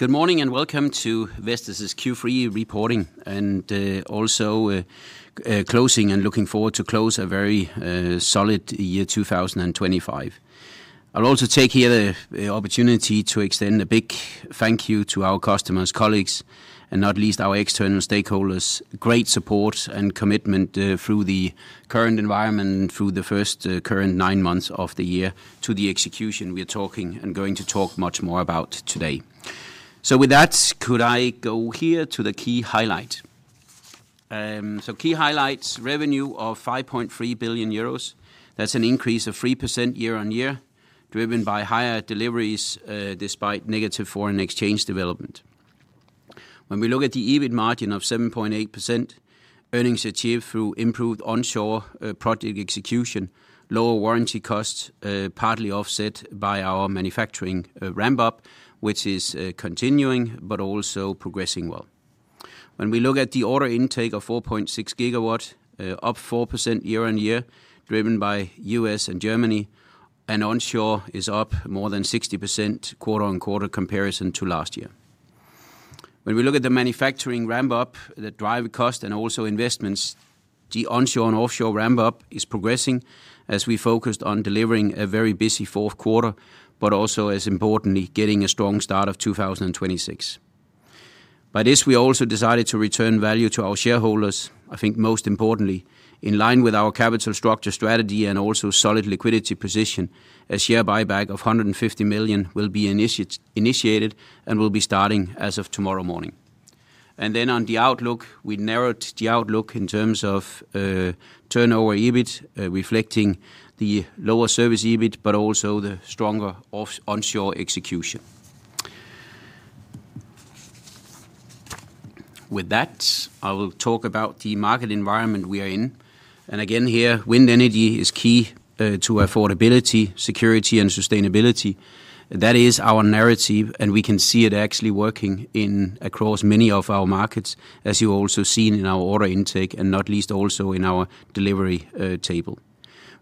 Good morning and welcome to Vestas' Q3 reporting and, also, closing and looking forward to close a very solid year 2025. I'll also take here the opportunity to extend a big thank you to our customers, colleagues, and not least our external stakeholders. Great support and commitment, through the current environment and through the first current nine months of the year to the execution we are talking and going to talk much more about today. With that, could I go here to the key highlights? Key highlights: revenue of 5.3 billion euros. That's an increase of 3% year-on-year, driven by higher deliveries, despite negative foreign exchange development. When we look at the EBIT margin of 7.8%, earnings achieved through improved onshore, project execution, lower warranty costs, partly offset by our manufacturing ramp-up, which is continuing but also progressing well. When we look at the order intake of 4.6 GW, up 4% year-on-year, driven by U.S. and Germany, and onshore is up more than 60% quarter-on-quarter comparison to last year. When we look at the manufacturing ramp-up, the driving cost and also investments, the onshore and offshore ramp-up is progressing as we focused on delivering a very busy fourth quarter, but also, as importantly, getting a strong start of 2026. By this, we also decided to return value to our shareholders. I think most importantly, in line with our capital structure strategy and also solid liquidity position, a share buyback of 150 million will be initiated and will be starting as of tomorrow morning. Then on the outlook, we narrowed the outlook in terms of turnover EBIT, reflecting the lower service EBIT but also the stronger offshore execution. With that, I will talk about the market environment we are in. Again here, wind energy is key to affordability, security, and sustainability. That is our narrative, and we can see it actually working across many of our markets, as you also see in our order intake and not least also in our delivery table.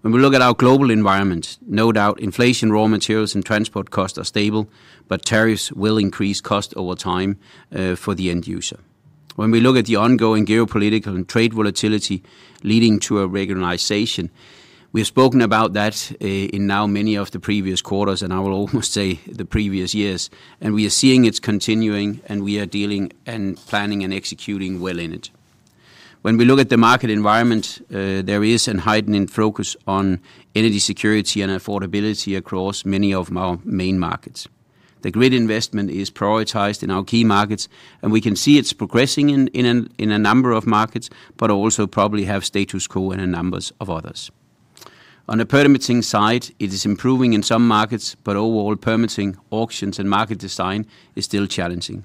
When we look at our global environment, no doubt inflation, raw materials, and transport costs are stable, but tariffs will increase cost over time for the end user. When we look at the ongoing geopolitical and trade volatility leading to a regularization, we have spoken about that in now many of the previous quarters, and I will almost say the previous years, and we are seeing it is continuing, and we are dealing and planning and executing well in it. When we look at the market environment, there is a heightening focus on energy security and affordability across many of our main markets. The grid investment is prioritized in our key markets, and we can see it's progressing in a number of markets, but also probably have status quo in a number of others. On the permitting side, it is improving in some markets, but overall permitting, auctions, and market design is still challenging.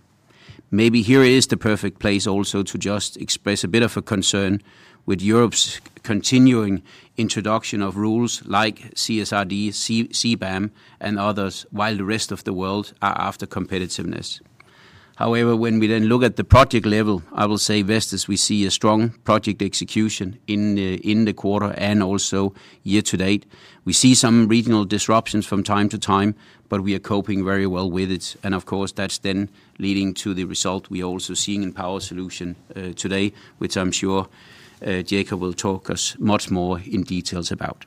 Maybe here is the perfect place also to just express a bit of a concern with Europe's continuing introduction of rules like CSRD, CBAM, and others, while the rest of the world are after competitiveness. However, when we then look at the project level, I will say Vestas, we see a strong project execution in the quarter and also year to date. We see some regional disruptions from time to time, but we are coping very well with it. Of course, that is then leading to the result we are also seeing in Power Solutions today, which I am sure Jakob will talk us much more in detail about.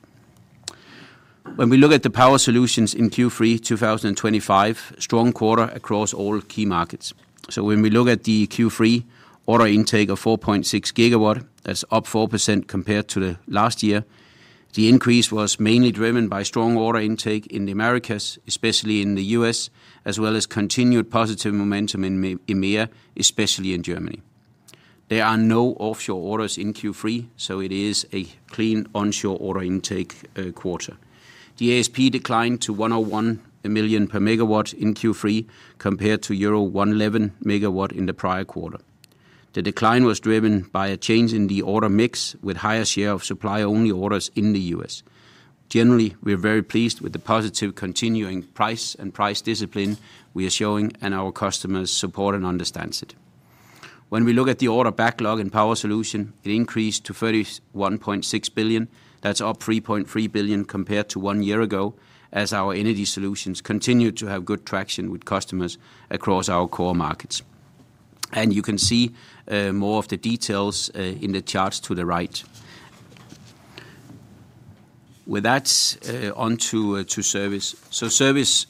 When we look at the Power Solutions in Q3 2025, strong quarter across all key markets. When we look at the Q3 order intake of 4.6 GW, that is up 4% compared to last year. The increase was mainly driven by strong order intake in the Americas, especially in the U.S., as well as continued positive momentum in EMEA, especially in Germany. There are no offshore orders in Q3, so it is a clean onshore order intake quarter. The ASP declined to 1 million per MW in Q3 compared to euro 1.1 million per MW in the prior quarter. The decline was driven by a change in the order mix with a higher share of supplier-only orders in the U.S Generally, we are very pleased with the positive continuing price and price discipline we are showing, and our customers support and understand it. When we look at the order backlog in power solution, it increased to 31.6 billion. That is up 3.3 billion compared to one year ago, as our energy solutions continue to have good traction with customers across our core markets. You can see more of the details in the charts to the right. With that, onto service. Service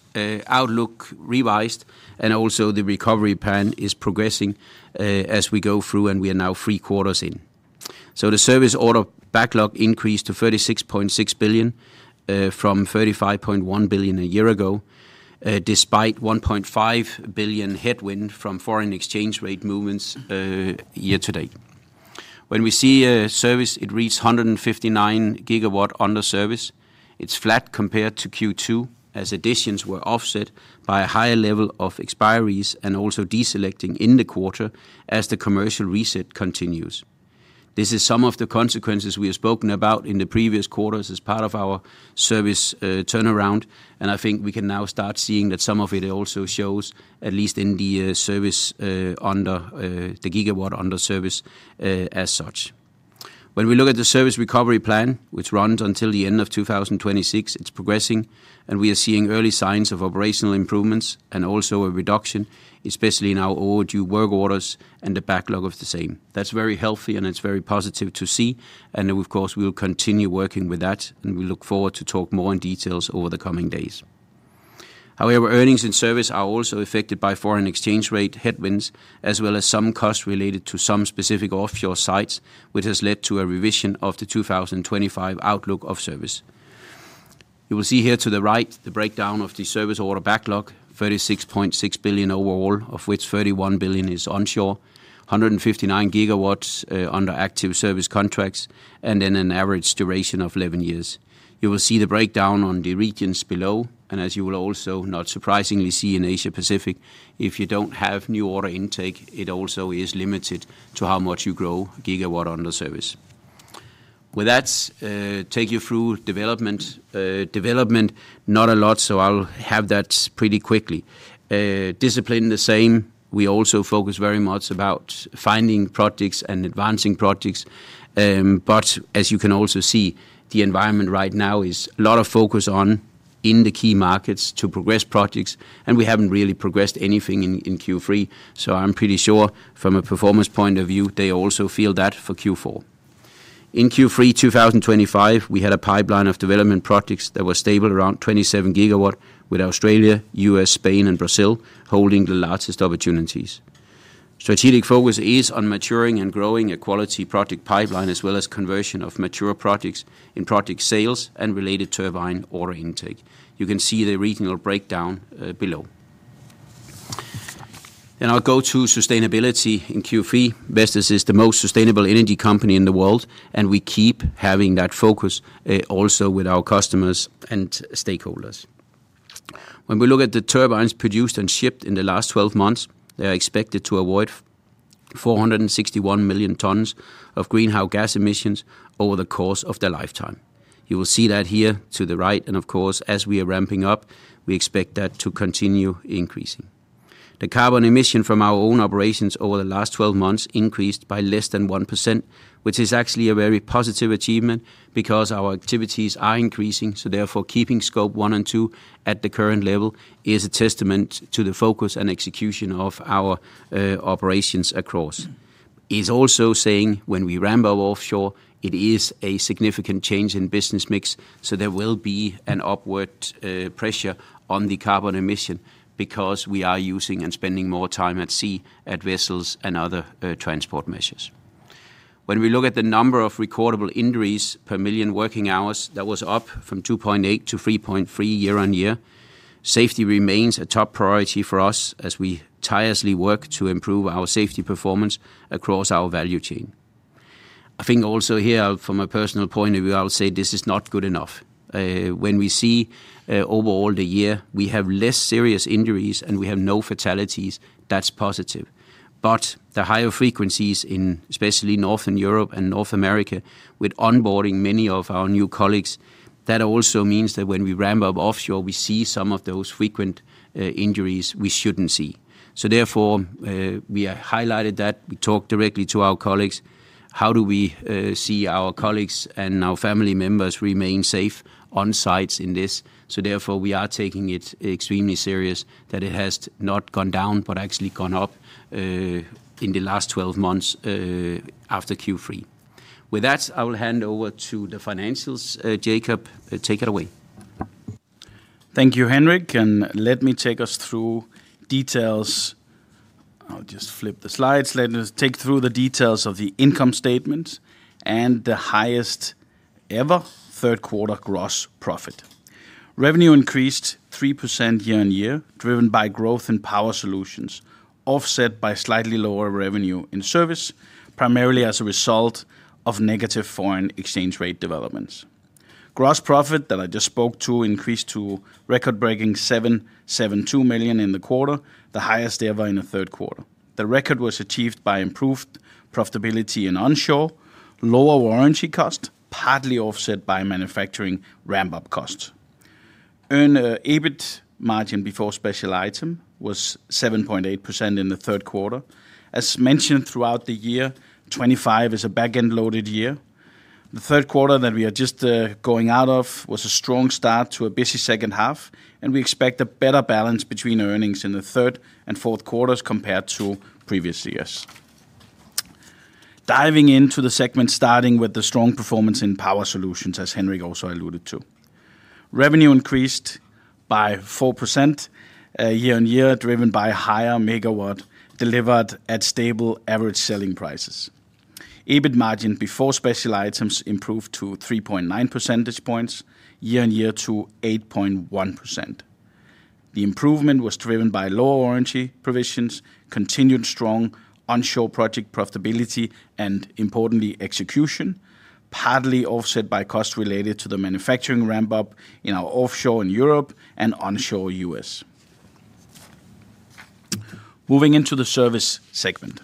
outlook revised, and also the recovery plan is progressing, as we go through, and we are now three quarters in. The service order backlog increased to 36.6 billion, from 35.1 billion a year ago, despite 1.5 billion headwind from foreign exchange rate movements, year to date. When we see service, it reads 159 GW under service. It's flat compared to Q2, as additions were offset by a higher level of expiries and also deselecting in the quarter as the commercial reset continues. This is some of the consequences we have spoken about in the previous quarters as part of our service turnaround. I think we can now start seeing that some of it also shows, at least in the service, under the gigawatt under service, as such. When we look at the service recovery plan, which runs until the end of 2026, it's progressing, and we are seeing early signs of operational improvements and also a reduction, especially in our overdue work orders and the backlog of the same. That's very healthy, and it's very positive to see. Of course, we'll continue working with that, and we look forward to talk more in details over the coming days. However, earnings and service are also affected by foreign exchange rate headwinds, as well as some costs related to some specific offshore sites, which has led to a revision of the 2025 outlook of service. You will see here to the right the breakdown of the service order backlog: 36.6 billion overall, of which 31 billion is onshore, 159 GW under active service contracts, and then an average duration of 11 years. You will see the breakdown on the regions below, and as you will also not surprisingly see in Asia Pacific, if you do not have new order intake, it also is limited to how much you grow gigawatt under service. With that, take you through development, not a lot, so I'll have that pretty quickly. Discipline the same. We also focus very much about finding projects and advancing projects. As you can also see, the environment right now is a lot of focus on in the key markets to progress projects, and we have not really progressed anything in Q3. I am pretty sure from a performance point of view, they also feel that for Q4. In Q3 2025, we had a pipeline of development projects that were stable around 27 GW with Australia, U.S., Spain, and Brazil holding the largest opportunities. Strategic focus is on maturing and growing a quality project pipeline as well as conversion of mature projects in project sales and related turbine order intake. You can see the regional breakdown below. I will go to sustainability in Q3. Vestas is the most sustainable energy company in the world, and we keep having that focus, also with our customers and stakeholders. When we look at the turbines produced and shipped in the last 12 months, they are expected to avoid 461 million tons of greenhouse gas emissions over the course of their lifetime. You will see that here to the right. Of course, as we are ramping up, we expect that to continue increasing. The carbon emission from our own operations over the last 12 months increased by less than 1%, which is actually a very positive achievement because our activities are increasing. Therefore, keeping scope one and two at the current level is a testament to the focus and execution of our operations across. It is also saying when we ramp up offshore, it is a significant change in business mix. There will be an upward pressure on the carbon emission because we are using and spending more time at sea at vessels and other transport measures. When we look at the number of recordable injuries per million working hours, that was up from 2.8 to 3.3 year-on-year. Safety remains a top priority for us as we tirelessly work to improve our safety performance across our value chain. I think also here, from a personal point of view, I'll say this is not good enough. When we see, overall the year, we have less serious injuries and we have no fatalities. That's positive. The higher frequencies in especially Northern Europe and North America with onboarding many of our new colleagues, that also means that when we ramp up offshore, we see some of those frequent injuries we shouldn't see. Therefore, we highlighted that. We talked directly to our colleagues. How do we see our colleagues and our family members remain safe on sites in this? Therefore, we are taking it extremely serious that it has not gone down but actually gone up in the last 12 months after Q3. With that, I will hand over to the financials. Jakob, take it away. Thank you, Henrik. Let me take us through details. I'll just flip the slides. Let us take through the details of the income statements and the highest ever third quarter gross profit. Revenue increased 3% year-on-year, driven by growth in power solutions, offset by slightly lower revenue in service, primarily as a result of negative foreign exchange rate developments. Gross profit that I just spoke to increased to record-breaking 772 million in the quarter, the highest ever in a third quarter. The record was achieved by improved profitability in onshore, lower warranty cost, partly offset by manufacturing ramp-up costs. Earned EBIT margin before special item was 7.8% in the third quarter. As mentioned throughout the year, 2025 is a back-end loaded year. The third quarter that we are just going out of was a strong start to a busy second half, and we expect a better balance between earnings in the third and fourth quarters compared to previous years. Diving into the segment, starting with the strong performance in Power Solutions, as Henrik also alluded to, revenue increased by 4% year-on-year, driven by higher megawatt delivered at stable average selling prices. EBIT margin before special items improved to 3.9 percentage points year-on-year to 8.1%. The improvement was driven by lower warranty provisions, continued strong onshore project profitability, and importantly, execution, partly offset by costs related to the manufacturing ramp-up in our offshore in Europe and onshore U.S. Moving into the Service segment.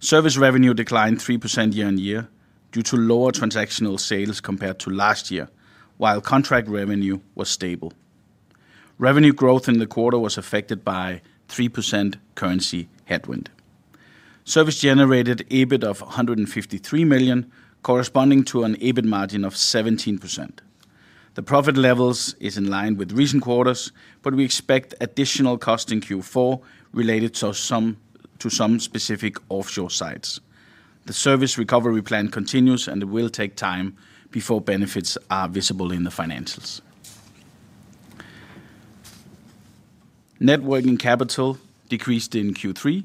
Service revenue declined 3% year-on-year due to lower transactional sales compared to last year, while contract revenue was stable. Revenue growth in the quarter was affected by a 3% currency headwind. Service generated EBIT of 153 million, corresponding to an EBIT margin of 17%. The profit levels is in line with recent quarters, but we expect additional cost in Q4 related to some specific offshore sites. The service recovery plan continues, and it will take time before benefits are visible in the financials. Networking capital decreased in Q3,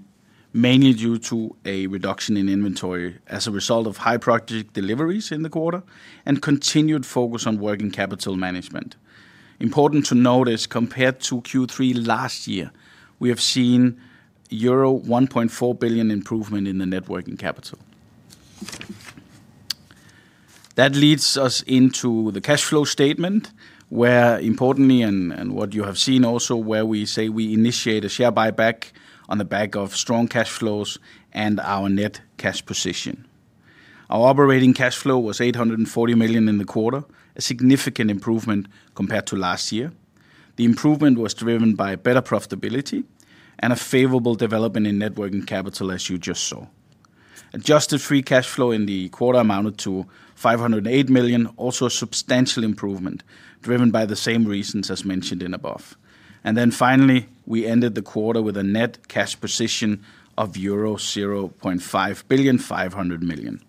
mainly due to a reduction in inventory as a result of high project deliveries in the quarter and continued focus on working capital management. Important to notice, compared to Q3 last year, we have seen a euro 1.4 billion improvement in the networking capital. That leads us into the cash flow statement, where importantly, and what you have seen also, where we say we initiate a share buyback on the back of strong cash flows and our net cash position. Our operating cash flow was 840 million in the quarter, a significant improvement compared to last year. The improvement was driven by better profitability and a favorable development in networking capital, as you just saw. Adjusted free cash flow in the quarter amounted to 508 million, also a substantial improvement driven by the same reasons as mentioned in above. Finally, we ended the quarter with a net cash position of euro 0.5 billion, 500 million.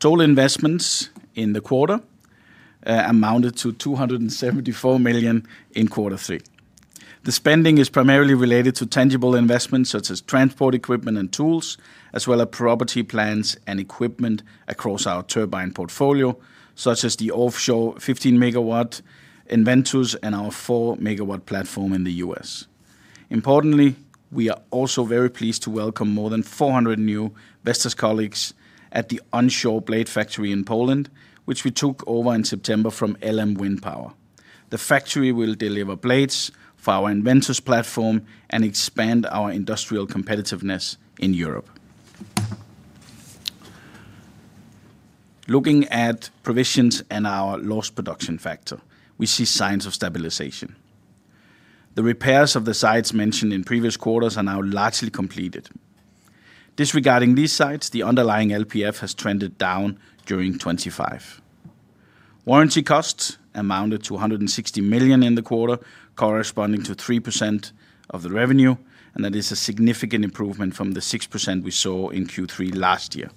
Total investments in the quarter amounted to 274 million in quarter three. The spending is primarily related to tangible investments such as transport equipment and tools, as well as property, plants, and equipment across our turbine portfolio, such as the offshore 15 MW EnVentus and our 4 MW platform in the U.S Importantly, we are also very pleased to welcome more than 400 new Vestas colleagues at the onshore blade factory in Poland, which we took over in September from LM Wind Power. The factory will deliver blades for our EnVentus platform and expand our industrial competitiveness in Europe. Looking at provisions and our lost production factor, we see signs of stabilization. The repairs of the sites mentioned in previous quarters are now largely completed. Disregarding these sites, the underlying LPF has trended down during 2025. Warranty costs amounted to 160 million in the quarter, corresponding to 3% of the revenue, and that is a significant improvement from the 6% we saw in Q3 last year.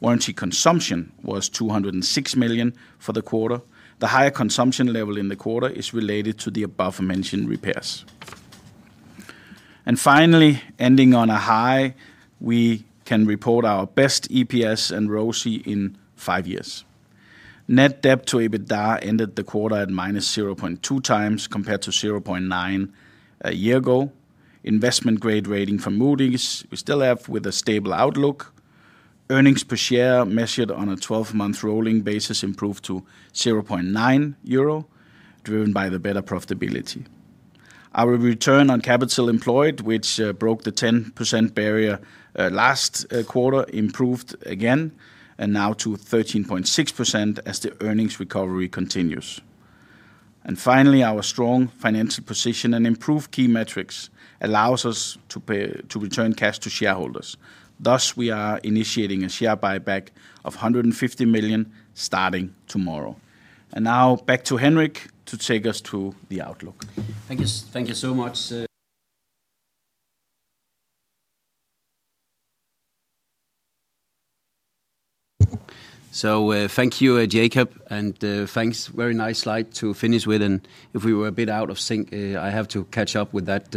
Warranty consumption was 206 million for the quarter. The higher consumption level in the quarter is related to the above-mentioned repairs. Finally, ending on a high, we can report our best EPS and ROSI in five years. Net debt to EBITDA ended the quarter at -0.2x compared to 0.9 a year ago. Investment grade rating for Moody's, we still have with a stable outlook. Earnings per share measured on a 12-month rolling basis improved to 0.9 euro. Driven by the better profitability. Our return on capital employed, which broke the 10% barrier last quarter, improved again and now to 13.6% as the earnings recovery continues. Finally, our strong financial position and improved key metrics allow us to return cash to shareholders. Thus, we are initiating a share buyback of 150 million starting tomorrow. Now back to Henrik to take us to the outlook. Thank you. Thank you so much. Thank you, Jakob, and thanks. Very nice slide to finish with. If we were a bit out of sync, I have to catch up with that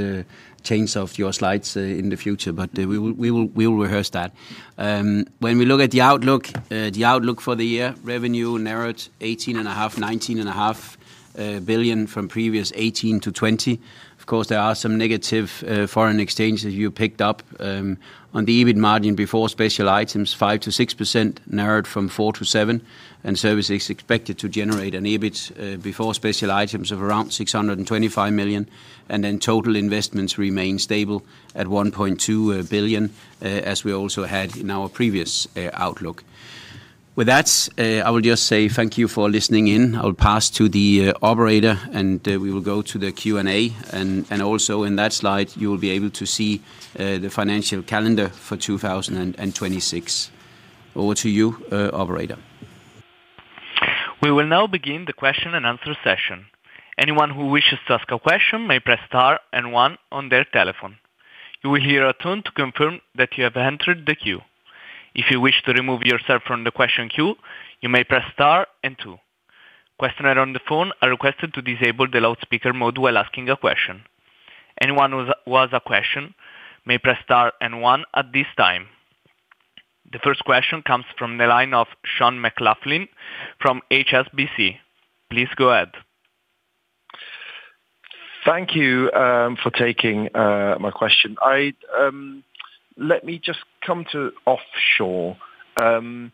change of your slides in the future, but we will rehearse that. When we look at the outlook, the outlook for the year, revenue narrowed to 18.5 billion-19.5 billion from previous 18 billion-20 billion. Of course, there are some negative foreign exchanges you picked up on. The EBIT margin before special items, 5%-6%, narrowed from 4%-7%. Service is expected to generate an EBIT before special items of around 625 million. Total investments remain stable at 1.2 billion, as we also had in our previous outlook. With that, I will just say thank you for listening in. I'll pass to the operator, and we will go to the Q&A. Also in that slide, you will be able to see the financial calendar for 2026. Over to you, operator. We will now begin the question and answer session. Anyone who wishes to ask a question may press star and one on their telephone. You will hear a tone to confirm that you have entered the queue. If you wish to remove yourself from the question queue, you may press star and two. Questioners on the phone are requested to disable the loudspeaker mode while asking a question. Anyone who has a question may press star and one at this time. The first question comes from the line of Sean McLoughlin from HSBC. Please go ahead. Thank you for taking my question. Let me just come to offshore. The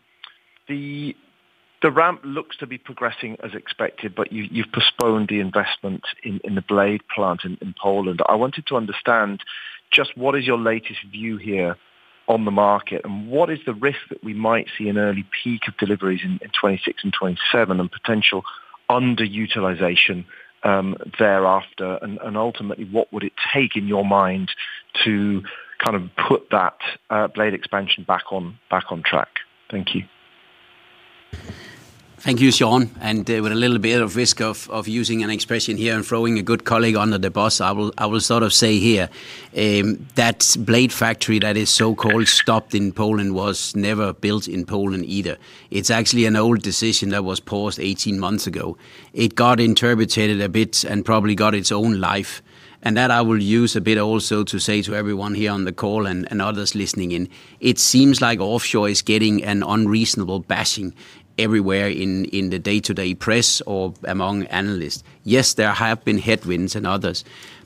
ramp looks to be progressing as expected, but you've postponed the investment in the blade plant in Poland. I wanted to understand just what is your latest view here on the market and what is the risk that we might see an early peak of deliveries in 2026 and 2027 and potential underutilization thereafter? Ultimately, what would it take in your mind to kind of put that blade expansion back on track? Thank you. Thank you, Sean. With a little bit of risk of using an expression here and throwing a good colleague under the bus, I will sort of say here, that blade factory that is so-called stopped in Poland was never built in Poland either. It is actually an old decision that was paused 18 months ago. It got interrupted a bit and probably got its own life. I will use a bit also to say to everyone here on the call and others listening in, it seems like offshore is getting an unreasonable bashing everywhere in the day-to-day press or among analysts. Yes, there have been headwinds and others,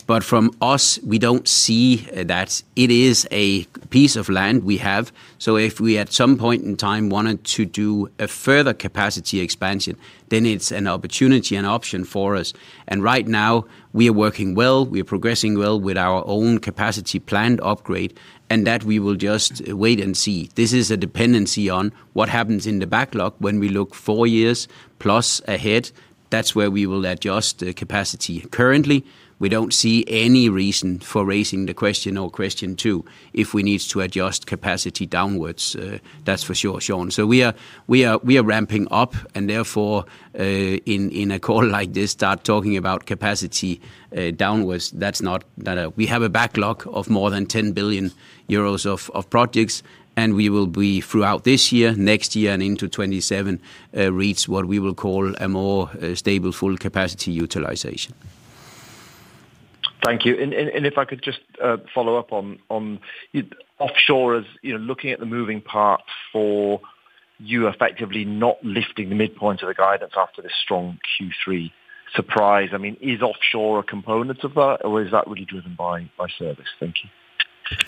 but from us, we do not see that. It is a piece of land we have. If we at some point in time wanted to do a further capacity expansion, then it's an opportunity and option for us. Right now, we are working well. We are progressing well with our own capacity planned upgrade, and we will just wait and see. This is a dependency on what happens in the backlog. When we look four years plus ahead, that's where we will adjust the capacity. Currently, we don't see any reason for raising the question or question two if we need to adjust capacity downwards. That's for sure, Sean. We are ramping up and therefore, in a call like this, start talking about capacity downwards. That's not that, we have a backlog of more than 10 billion euros of projects, and we will be throughout this year, next year, and into 2027, reach what we will call a more stable, full capacity utilization. Thank you. And if I could just follow-up on offshore as, you know, looking at the moving part for. You effectively not lifting the midpoint of the guidance after this strong Q3 surprise, I mean, is offshore a component of that or is that really driven by service? Thank you.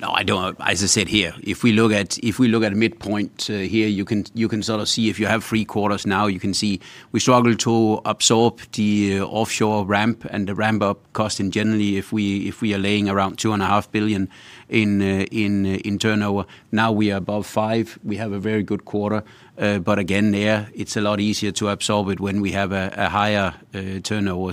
No, I don't, as I said here, if we look at, if we look at midpoint, here, you can sort of see if you have three quarters now, you can see we struggle to absorb the offshore ramp and the ramp-up cost. Generally, if we are laying around 2.5 billion in turnover, now we are above 5 billion. We have a very good quarter. It is a lot easier to absorb it when we have a higher turnover.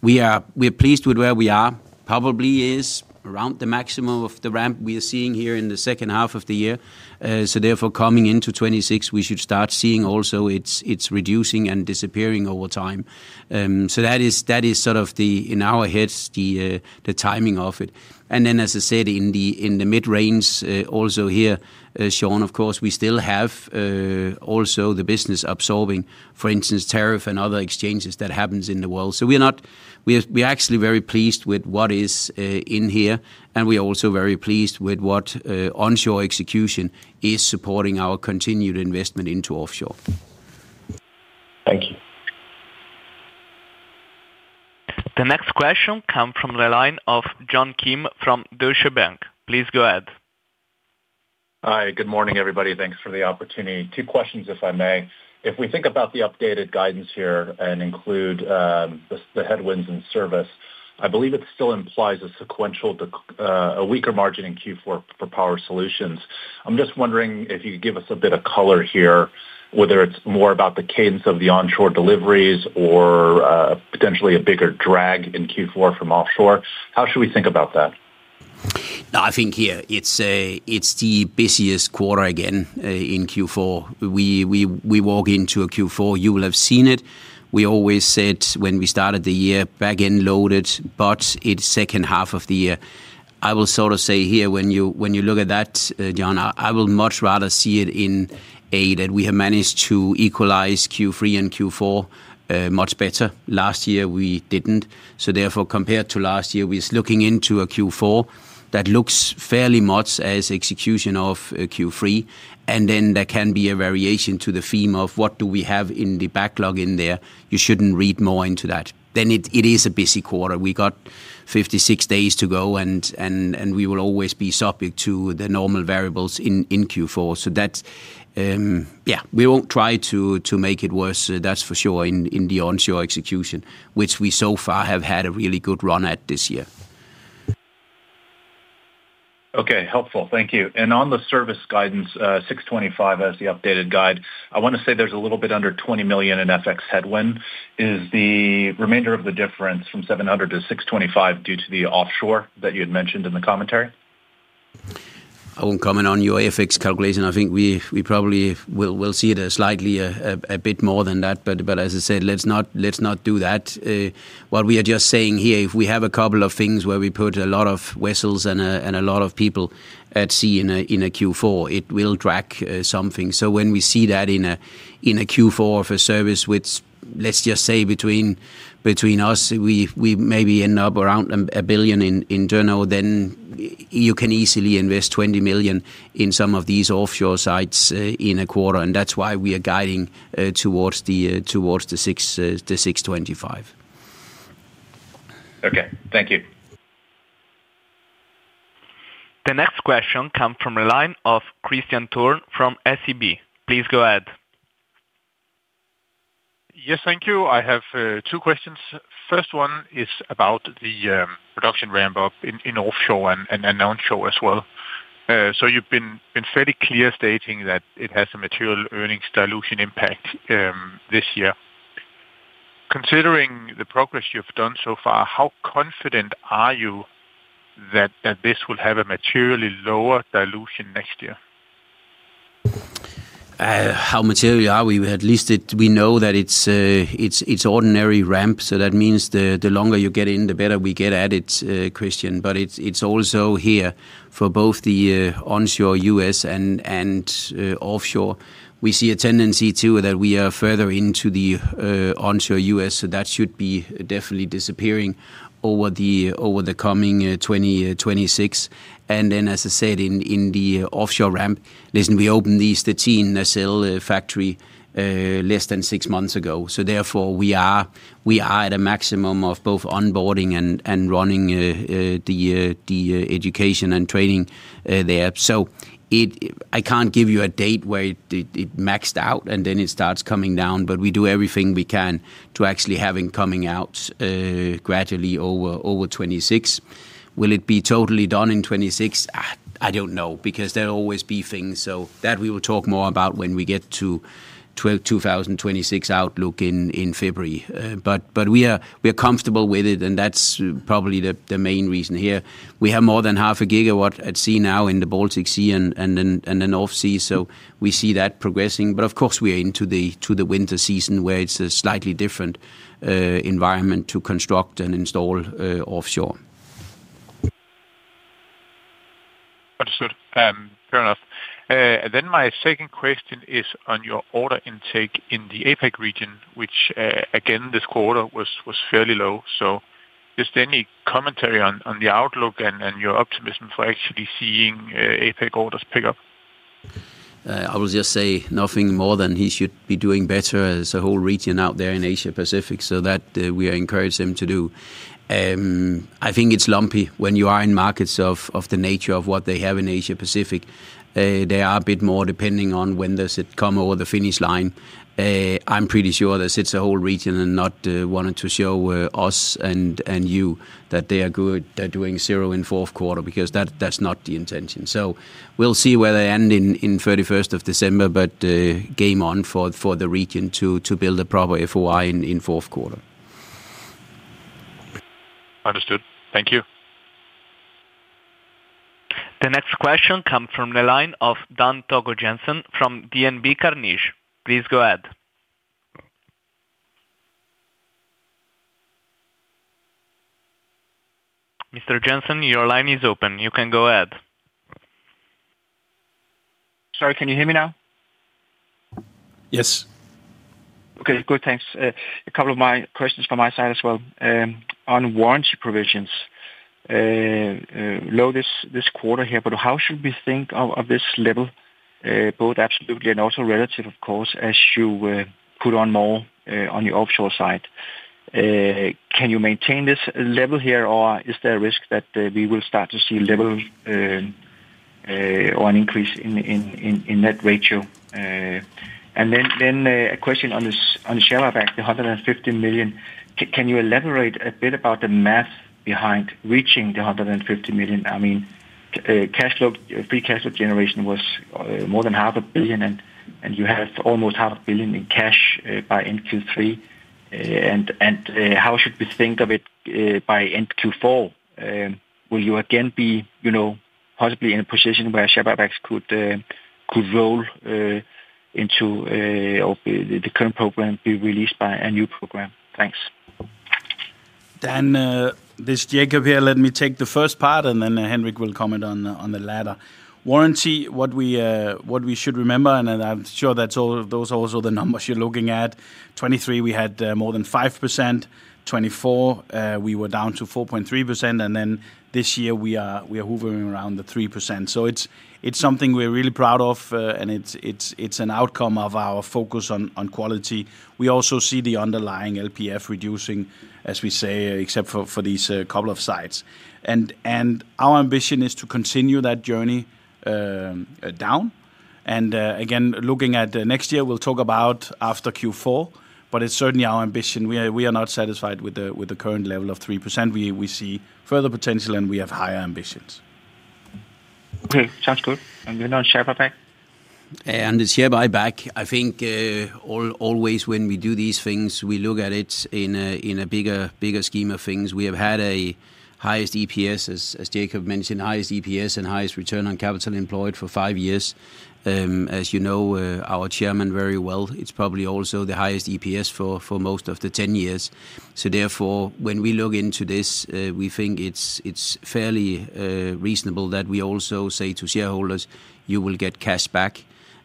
We are pleased with where we are, probably is around the maximum of the ramp we are seeing here in the second half of the year. Therefore, coming into 2026, we should start seeing also it is reducing and disappearing over time. That is sort of the, in our heads, the timing of it. As I said, in the mid-range, also here, Sean, of course, we still have also the business absorbing, for instance, tariff and other exchanges that happen in the world. We are actually very pleased with what is in here, and we are also very pleased with what onshore execution is supporting, our continued investment into offshore. Thank you. The next question comes from the line of John Kim from Deutsche Bank. Please go ahead. Hi, good morning, everybody. Thanks for the opportunity. Two questions, if I may. If we think about the updated guidance here and include the headwinds in service, I believe it still implies a sequential, a weaker margin in Q4 for power solutions. I'm just wondering if you could give us a bit of color here, whether it's more about the cadence of the onshore deliveries or potentially a bigger drag in Q4 from offshore. How should we think about that? No, I think here it's the busiest quarter again, in Q4. We walk into a Q4, you will have seen it. We always said when we started the year, back end loaded, but it's second half of the year. I will sort of say here, when you look at that, John, I will much rather see it in a that we have managed to equalize Q3 and Q4, much better. Last year we didn't. Therefore, compared to last year, we are looking into a Q4 that looks fairly much as execution of Q3. There can be a variation to the theme of what do we have in the backlog in there. You shouldn't read more into that. It is a busy quarter. We got 56 days to go and we will always be subject to the normal variables in Q4. That, yeah, we will not try to make it worse, that is for sure, in the onshore execution, which we so far have had a really good run at this year. Okay. Helpful. Thank you. On the service guidance, 625 as the updated guide, I wanna say there's a little bit under 20 million in FX headwind. Is the remainder of the difference from 700 to 625 due to the offshore that you had mentioned in the commentary? I won't comment on your FX calculation. I think we probably will see it slightly, a bit more than that. As I said, let's not do that. What we are just saying here, if we have a couple of things where we put a lot of whistles and a lot of people at sea in a Q4, it will drag something. When we see that in a Q4 of a service which, let's just say between us, we maybe end up around 1 billion in turnover, then you can easily invest 20 million in some of these offshore sites in a quarter. That is why we are guiding towards the 625 million. Okay. Thank you. The next question comes from the line of Kristian Tornøe from SEB. Please go ahead. Yes, thank you. I have two questions. First one is about the production ramp-up in offshore and onshore as well. You have been fairly clear stating that it has a material earnings dilution impact this year. Considering the progress you have done so far, how confident are you that this will have a materially lower dilution next year? How material are we? We at least, we know that it's ordinary ramp. That means the longer you get in, the better we get at it, Christian. It is also here for both the onshore U.S. and offshore. We see a tendency too that we are further into the onshore U.S That should definitely be disappearing over the coming 2026. As I said, in the offshore ramp, listen, we opened these 13 nacelle factory less than six months ago. Therefore, we are at a maximum of both onboarding and running the education and training there. I can't give you a date where it maxed out and then it starts coming down, but we do everything we can to actually have it coming out gradually over 2026. Will it be totally done in 2026? I, I don't know because there'll always be things. That we will talk more about when we get to 2026 outlook in February. But we are, we are comfortable with it and that's probably the main reason here. We have more than half a gigawatt at sea now in the Baltic Sea and then offsea. We see that progressing. Of course, we are into the winter season where it's a slightly different environment to construct and install offshore. Understood. Fair enough. Then my second question is on your order intake in the Asia Pacific region, which, again, this quarter was fairly low. Just any commentary on the outlook and your optimism for actually seeing Asia Pacific orders pick up? I will just say nothing more than he should be doing better as a whole region out there in Asia Pacific. We are encouraging him to do that. I think it's lumpy when you are in markets of the nature of what they have in Asia Pacific. They are a bit more depending on when does it come over the finish line. I'm pretty sure that it's a whole region and not wanting to show us and you that they are good, they're doing zero in fourth quarter because that's not the intention. We will see where they end on 31st of December, but game on for the region to build a proper FOI in fourth quarter. Understood. Thank you. The next question comes from the line of Dan Togo Jensen from DNB Carnegie. Please go ahead. Mr. Jensen, your line is open. You can go ahead. Sorry, can you hear me now? Yes. Okay. Good. Thanks. A couple of my questions from my side as well. On warranty provisions, low this quarter here, but how should we think of this level, both absolutely and also relative, of course, as you put on more on your offshore side? Can you maintain this level here or is there a risk that we will start to see level, or an increase in that ratio? Then, a question on this, on the share buyback, the 150 million. Can you elaborate a bit about the math behind reaching the 150 million? I mean, free cash flow generation was more than 500 million and you have almost 500 million in cash by end Q3. How should we think of it by end Q4? Will you again be, you know, possibly in a position where Shababx could, could roll into, or the current program be released by a new program? Thanks. Dan, this is Jakob here, let me take the first part and then Henrik will comment on the latter. Warranty, what we should remember, and I'm sure those are also the numbers you're looking at. 2023 we had more than 5%. 2024, we were down to 4.3%. And then this year we are hovering around the 3%. It is something we are really proud of, and it is an outcome of our focus on quality. We also see the underlying LPF reducing, as we say, except for these couple of sites. Our ambition is to continue that journey down. Again, looking at next year, we will talk about after Q4, but it is certainly our ambition. We are not satisfied with the current level of 3%. We see further potential and we have higher ambitions. Okay. Sounds good. And we're not share buyback. It is share buyback. I think, always when we do these things, we look at it in a bigger, bigger scheme of things. We have had the highest EPS, as Jakob mentioned, highest EPS and highest return on capital employed for five years. As you know, our Chairman very well, it is probably also the highest EPS for most of the 10 years. Therefore, when we look into this, we think it is fairly reasonable that we also say to shareholders, you will get cash back.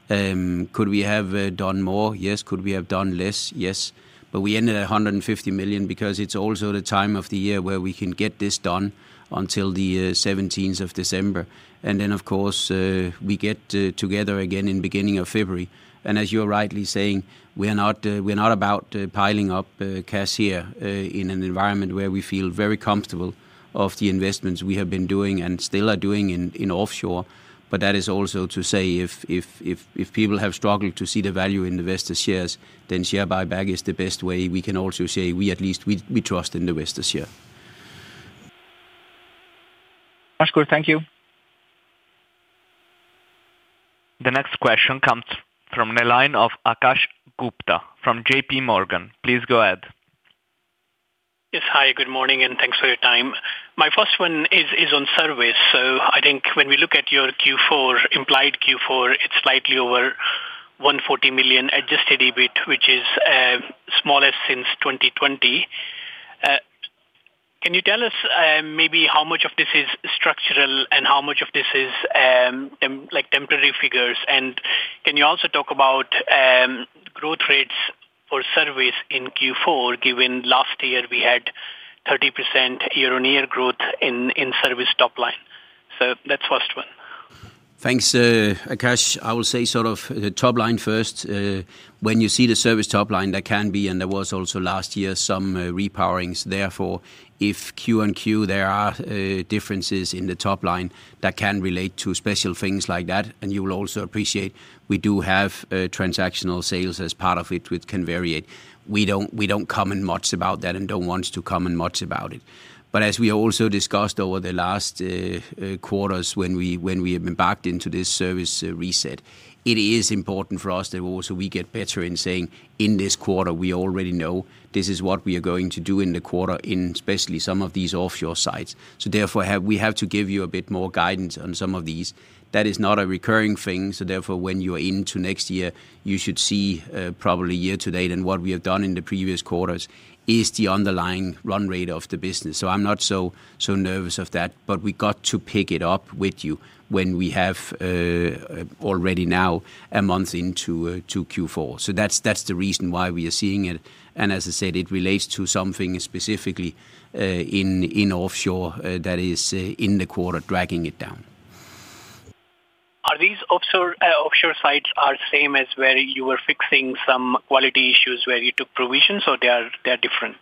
Could we have done more? Yes. Could we have done less? Yes. We ended at 150 million because it is also the time of the year where we can get this done until the 17th of December. Of course, we get together again in the beginning of February. As you are rightly saying, we are not about piling up cash here in an environment where we feel very comfortable of the investments we have been doing and still are doing in offshore. That is also to say, if people have struggled to see the value in the Vestas shares, then share buyback is the best way we can also say we at least, we trust in the Vestas share. That's good. Thank you. The next question comes from the line of Akash Gupta from JPMorgan. Please go ahead. Yes. Hi, good morning and thanks for your time. My first one is, is on service. So I think when we look at your Q4, implied Q4, it's slightly over 140 million Adjusted EBIT, which is, smallest since 2020. Can you tell us, maybe how much of this is structural and how much of this is, like temporary figures? Can you also talk about, growth rates for service in Q4, given last year we had 30% year-on-year growth in, in service top line? So that's first one. Thanks, Akash. I will say sort of the top line first. When you see the service top line, there can be, and there was also last year, some repowerings. Therefore, if Q on Q, there are differences in the top line that can relate to special things like that. You will also appreciate we do have transactional sales as part of it, which can vary it. We do not, we do not comment much about that and do not want to comment much about it. As we also discussed over the last quarters, when we embarked into this service reset, it is important for us that also we get better in saying in this quarter, we already know this is what we are going to do in the quarter, in especially some of these offshore sites. Therefore, we have to give you a bit more guidance on some of these. That is not a recurring thing. Therefore, when you are into next year, you should see, probably year to date and what we have done in the previous quarters is the underlying run rate of the business. I'm not so, so nervous of that, but we got to pick it up with you when we have, already now a month into, to Q4. That is the reason why we are seeing it. As I said, it relates to something specifically, in offshore, that is, in the quarter dragging it down. Are these offshore, offshore sites, are same as where you were fixing some quality issues where you took provisions, or they are, they are different?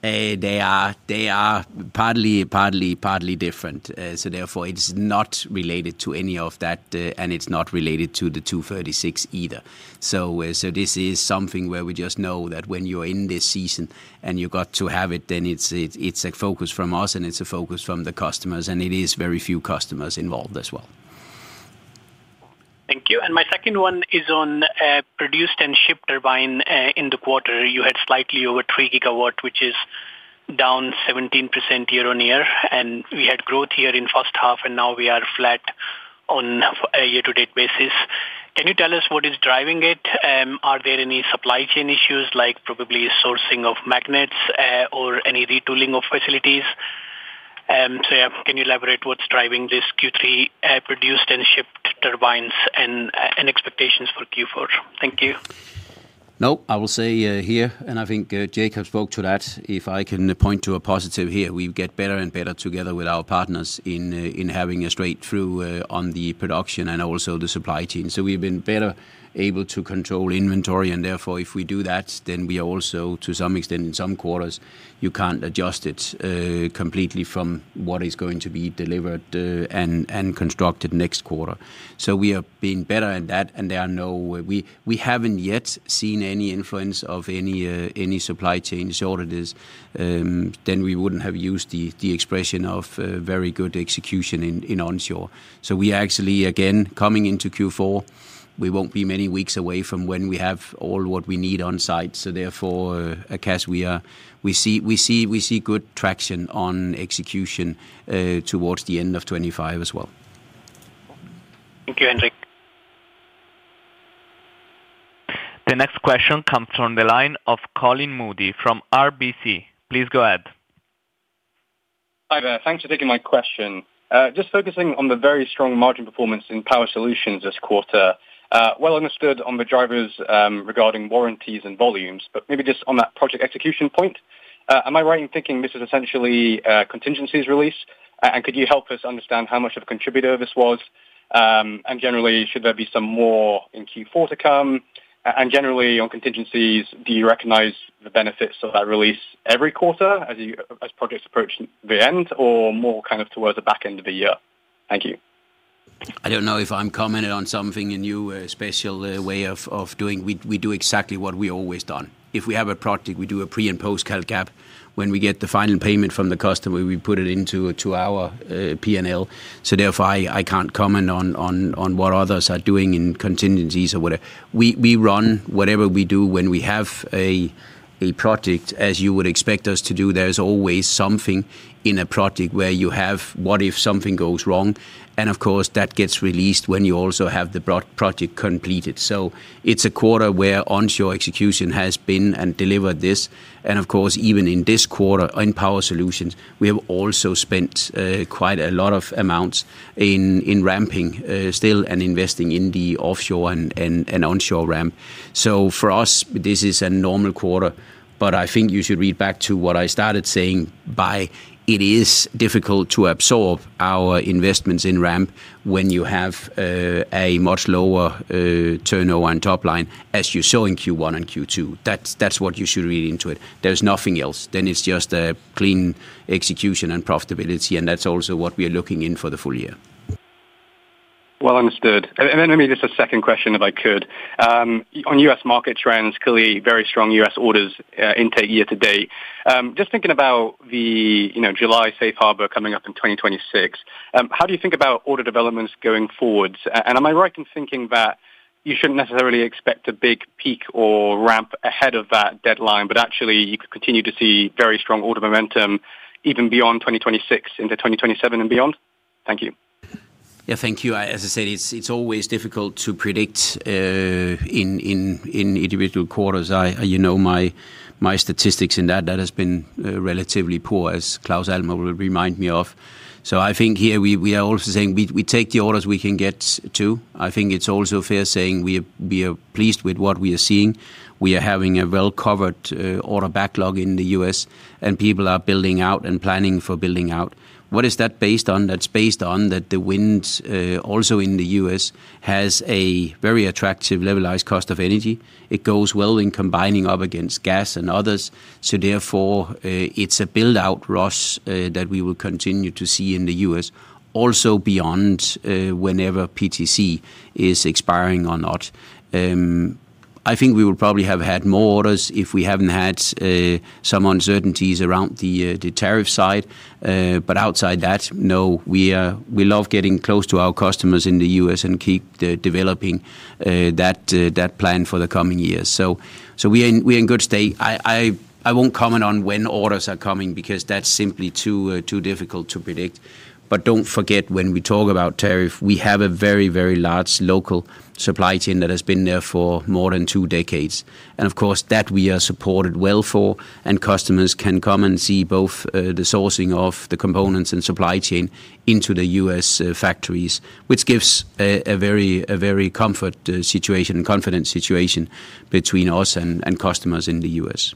They are partly, partly different. Therefore, it is not related to any of that, and it is not related to the 236 either. This is something where we just know that when you are in this season and you got to have it, then it is a focus from us and it is a focus from the customers. It is very few customers involved as well. Thank you. And my second one is on produced and shipped turbine, in the quarter. You had slightly over 3 GW, which is down 17% year-on-year. And we had growth here in first half and now we are flat on a year-to-date basis. Can you tell us what is driving it? Are there any supply chain issues like probably sourcing of magnets, or any retooling of facilities? So yeah, can you elaborate what's driving this Q3, produced and shipped turbines and, and expectations for Q4? Thank you. No, I will say, here, and I think Jakob spoke to that. If I can point to a positive here, we get better and better together with our partners in having a straight through on the production and also the supply chain. We have been better able to control inventory. If we do that, then we are also to some extent in some quarters, you cannot adjust it completely from what is going to be delivered and constructed next quarter. We are being better at that. We have not yet seen any influence of any supply chain disorder. This, then we would not have used the expression of very good execution in onshore. We actually, again, coming into Q4, we will not be many weeks away from when we have all what we need on site. Therefore, Akash, we see good traction on execution towards the end of 2025 as well. Thank you, Henrik. The next question comes from the line of Colin Moody from RBC. Please go ahead. Hi, there. Thanks for taking my question. Just focusing on the very strong margin performance in Power Solutions this quarter. Well understood on the drivers, regarding warranties and volumes, but maybe just on that project execution point. Am I right in thinking this is essentially contingencies release? Could you help us understand how much of a contributor this was? Generally, should there be some more in Q4 to come? Generally on contingencies, do you recognize the benefits of that release every quarter as you, as projects approach the end or more kind of towards the back end of the year? Thank you. I don't know if I'm commenting on something in your special way of doing. We do exactly what we've always done. If we have a project, we do a pre and post-cal cap. When we get the final payment from the customer, we put it into our P&L. Therefore, I can't comment on what others are doing in contingencies or whatever. We run whatever we do when we have a project, as you would expect us to do. There's always something in a project where you have, what if something goes wrong? Of course, that gets released when you also have the broad project completed. It's a quarter where onshore execution has been and delivered this. Of course, even in this quarter in Power Solutions, we have also spent quite a lot of amounts in ramping, still and investing in the offshore and onshore ramp. For us, this is a normal quarter, but I think you should read back to what I started saying by it is difficult to absorb our investments in ramp when you have a much lower turnover on top line as you saw in Q1 and Q2. That is what you should read into it. There is nothing else. It is just a clean execution and profitability. That is also what we are looking in for the full year. Understood. I mean, just a second question if I could. On U.S. market trends, clearly very strong U.S. orders, intake year to date. Just thinking about the, you know, July Safe Harbor coming up in 2026, how do you think about order developments going forwards? Am I right in thinking that you should not necessarily expect a big peak or ramp ahead of that deadline, but actually you could continue to see very strong order momentum even beyond 2026 into 2027 and beyond? Thank you. Yeah. Thank you. I, as I said, it's always difficult to predict, in individual quarters. I, you know, my statistics in that have been relatively poor as Claus Almer will remind me of. I think here we are also saying we take the orders we can get to. I think it's also fair saying we are pleased with what we are seeing. We are having a well-covered order backlog in the U.S. and people are building out and planning for building out. What is that based on? That's based on that the wind, also in the U.S., has a very attractive levelized cost of energy. It goes well in combining up against gas and others. Therefore, it's a buildout process that we will continue to see in the U.S. also beyond, whenever PTC is expiring or not. I think we will probably have had more orders if we haven't had some uncertainties around the tariff side. Outside that, no, we love getting close to our customers in the U.S. and keep developing that plan for the coming years. We are in, we are in good state. I won't comment on when orders are coming because that's simply too difficult to predict. Don't forget when we talk about tariff, we have a very, very large local supply chain that has been there for more than two decades. Of course, we are supported well for and customers can come and see both the sourcing of the components and supply chain into the U.S. factories, which gives a very comfort situation and confidence situation between us and customers in the U.S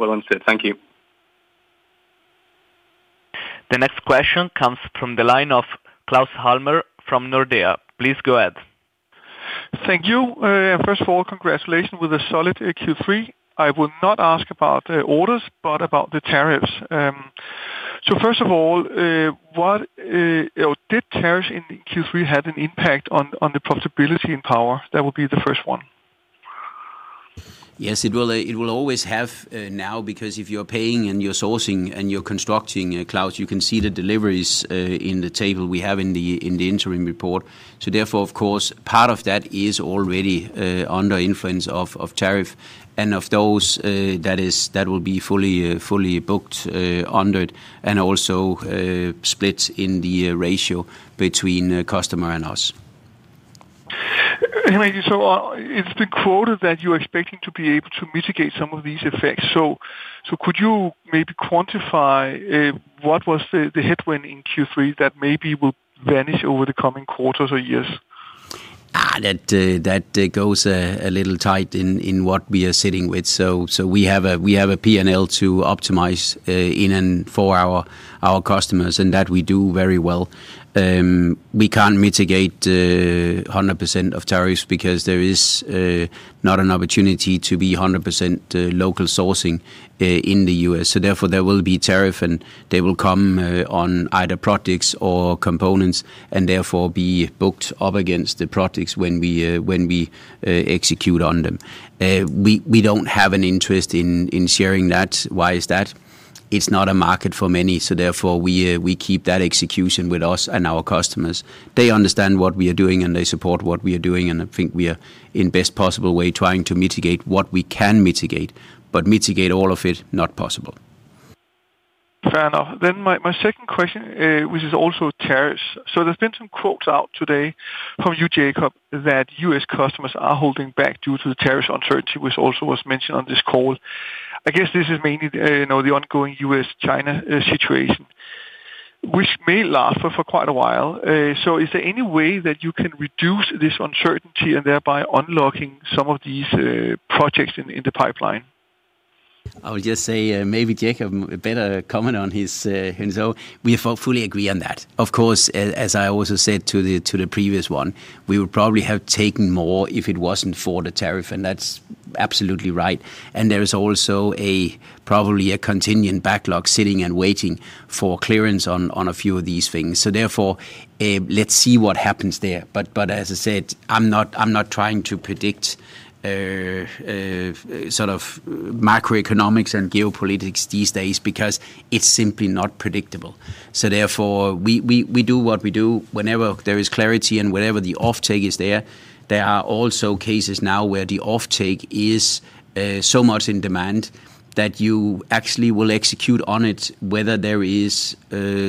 Understood. Thank you. The next question comes from the line of Claus Almer from Nordea. Please go ahead. Thank you. First of all, congratulations with a solid Q3. I will not ask about orders, but about the tariffs. First of all, did tariffs in Q3 have an impact on the profitability in Power? That would be the first one. Yes, it will, it will always have, now because if you are paying and you are sourcing and you are constructing, Claus, you can see the deliveries in the table we have in the interim report. Therefore, of course, part of that is already under influence of tariff. Of those, that will be fully booked under it and also split in the ratio between customer and us. Henrik, it's the quota that you are expecting to be able to mitigate some of these effects. Could you maybe quantify what was the headwind in Q3 that maybe will vanish over the coming quarters or years? That goes a little tight in what we are sitting with. We have a P&L to optimize in and for our customers and that we do very well. We can't mitigate 100% of tariffs because there is not an opportunity to be 100% local sourcing in the U.S Therefore, there will be tariff and they will come on either projects or components and therefore be booked up against the projects when we execute on them. We don't have an interest in sharing that. Why is that? It's not a market for many. Therefore, we keep that execution with us and our customers. They understand what we are doing and they support what we are doing. I think we are in the best possible way trying to mitigate what we can mitigate, but mitigate all of it, not possible. Fair enough. Then my second question, which is also tariffs. There have been some quotes out today from you, Jakob, that U.S. customers are holding back due to the tariffs uncertainty, which also was mentioned on this call. I guess this is mainly, you know, the ongoing U.S.-China situation, which may last for quite a while. Is there any way that you can reduce this uncertainty and thereby unlock some of these projects in the pipeline? I would just say, maybe Jakob better comment on his, himself. We fully agree on that. Of course, as I also said to the previous one, we would probably have taken more if it was not for the tariff. That is absolutely right. There is also probably a contingent backlog sitting and waiting for clearance on a few of these things. Therefore, let's see what happens there. As I said, I am not trying to predict macroeconomics and geopolitics these days because it is simply not predictable. Therefore, we do what we do whenever there is clarity and wherever the offtake is there. There are also cases now where the offtake is so much in demand that you actually will execute on it, whether there is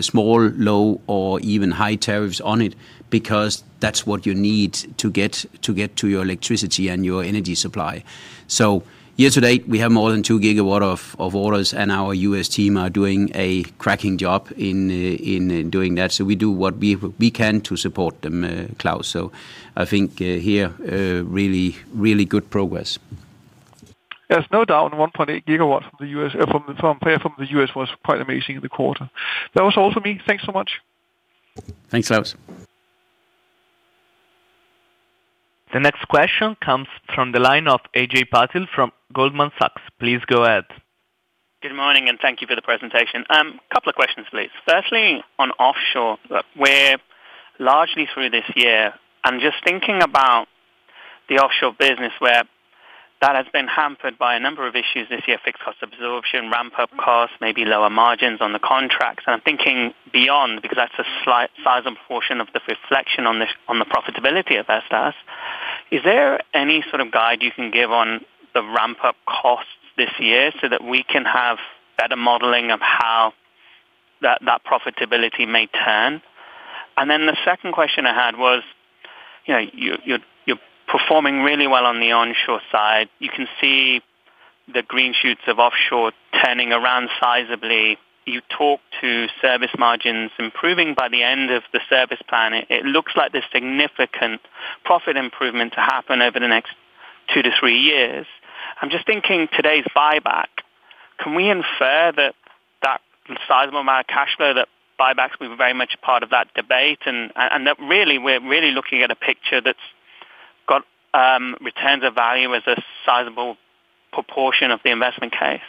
small, low, or even high tariffs on it, because that's what you need to get to get to your electricity and your energy supply. Yesterday we have more than 2 GW of orders and our U.S. team are doing a cracking job in doing that. We do what we can to support them, Claus. I think here, really, really good progress. There's no doubt on 1.8 GW from the U.S. was quite amazing in the quarter. That was all for me. Thanks so much. Thanks, Claus. The next question comes from the line of Ajay Patel from Goldman Sachs. Please go ahead. Good morning and thank you for the presentation. A couple of questions, please. Firstly, on offshore, we are largely through this year. I am just thinking about the offshore business where that has been hampered by a number of issues this year, fixed cost absorption, ramp up costs, maybe lower margins on the contracts. I am thinking beyond because that is a slight size and proportion of the reflection on this, on the profitability of SLAs. Is there any sort of guide you can give on the ramp up costs this year so that we can have better modeling of how that profitability may turn? The second question I had was, you know, you are performing really well on the onshore side. You can see the green shoots of offshore turning around sizably. You talk to service margins improving by the end of the service plan. It looks like there's significant profit improvement to happen over the next two to three years. I'm just thinking today's buyback, can we infer that that sizable amount of cashflow, that buybacks were very much a part of that debate, and that really we're really looking at a picture that's got returns of value as a sizable proportion of the investment case?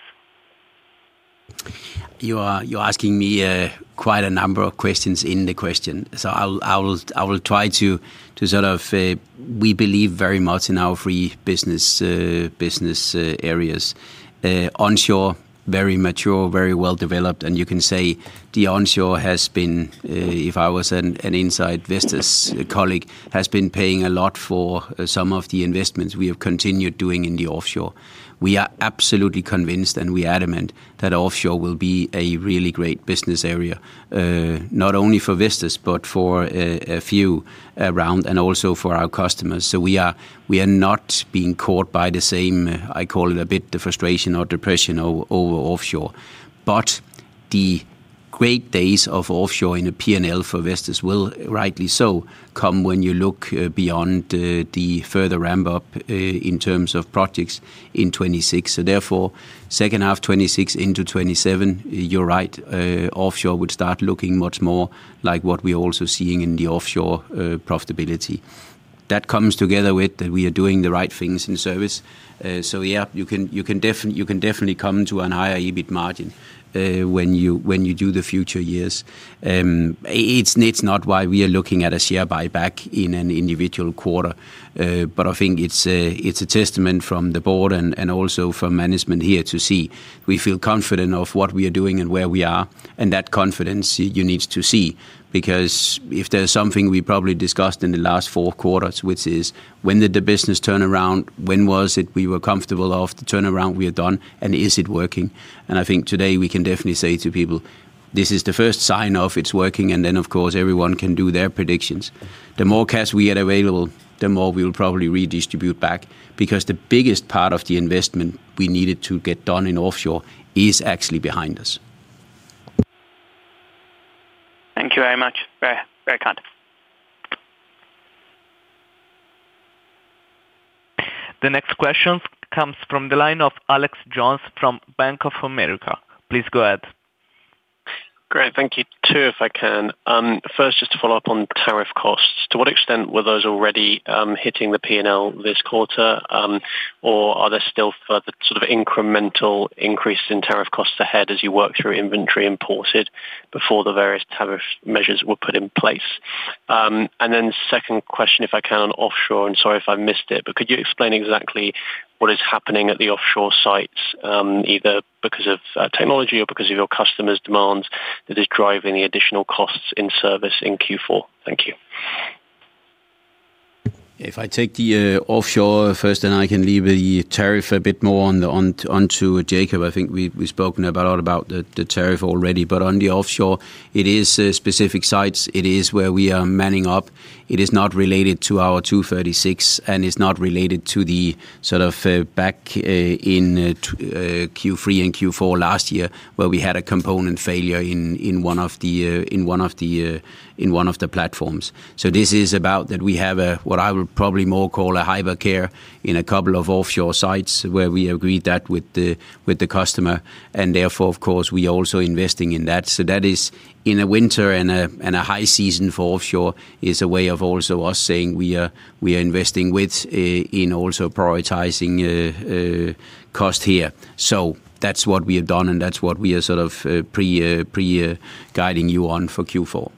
You are asking me quite a number of questions in the question. I will try to sort of, we believe very much in our three business areas. Onshore, very mature, very well developed. You can say the onshore has been, if I was an inside business colleague, has been paying a lot for some of the investments we have continued doing in the offshore. We are absolutely convinced and we are adamant that offshore will be a really great business area, not only for Vestas but for a few around and also for our customers. We are not being caught by the same, I call it a bit the frustration or depression over offshore. The great days of offshore in a P&L for Vestas will rightly so come when you look, beyond, the further ramp up, in terms of projects in 2026. Therefore, second half 2026 into 2027, you're right, offshore would start looking much more like what we are also seeing in the offshore, profitability. That comes together with that we are doing the right things in service. So yeah, you can definitely, you can definitely come to a higher EBIT margin, when you do the future years. It's not why we are looking at a share buyback in an individual quarter. I think it's a testament from the board and also from management here to see we feel confident of what we are doing and where we are. That confidence you need to see because if there's something we probably discussed in the last four quarters, which is when did the business turnaround, when was it we were comfortable of the turnaround we are done and is it working? I think today we can definitely say to people, this is the first sign of it's working. Of course everyone can do their predictions. The more cash we had available, the more we will probably redistribute back because the biggest part of the investment we needed to get done in offshore is actually behind us. Thank you very much. Very, very kind. The next question comes from the line of Alex Jones from Bank of America. Please go ahead. Great. Thank you. If I can, first just to follow-up on tariff costs. To what extent were those already hitting the P&L this quarter? Are there still further sort of incremental increases in tariff costs ahead as you work through inventory imported before the various tariff measures were put in place? Second question, if I can, on offshore, and sorry if I missed it, but could you explain exactly what is happening at the offshore sites, either because of technology or because of your customers' demands, that is driving the additional costs in service in Q4? Thank you. If I take the offshore first and I can leave the tariff a bit more on to Jakob, I think we have spoken a lot about the tariff already, but on the offshore, it is specific sites. It is where we are manning up. It is not related to our 236 and it is not related to the sort of back in Q3 and Q4 last year where we had a component failure in one of the platforms. This is about that we have what I would probably more call a hypercare in a couple of offshore sites where we agreed that with the customer. Therefore, of course, we are also investing in that. That is in a winter and a high season for offshore is a way of also us saying we are, we are investing with, in also prioritizing, cost here. That is what we have done and that is what we are sort of pre, pre, guiding you on for Q4.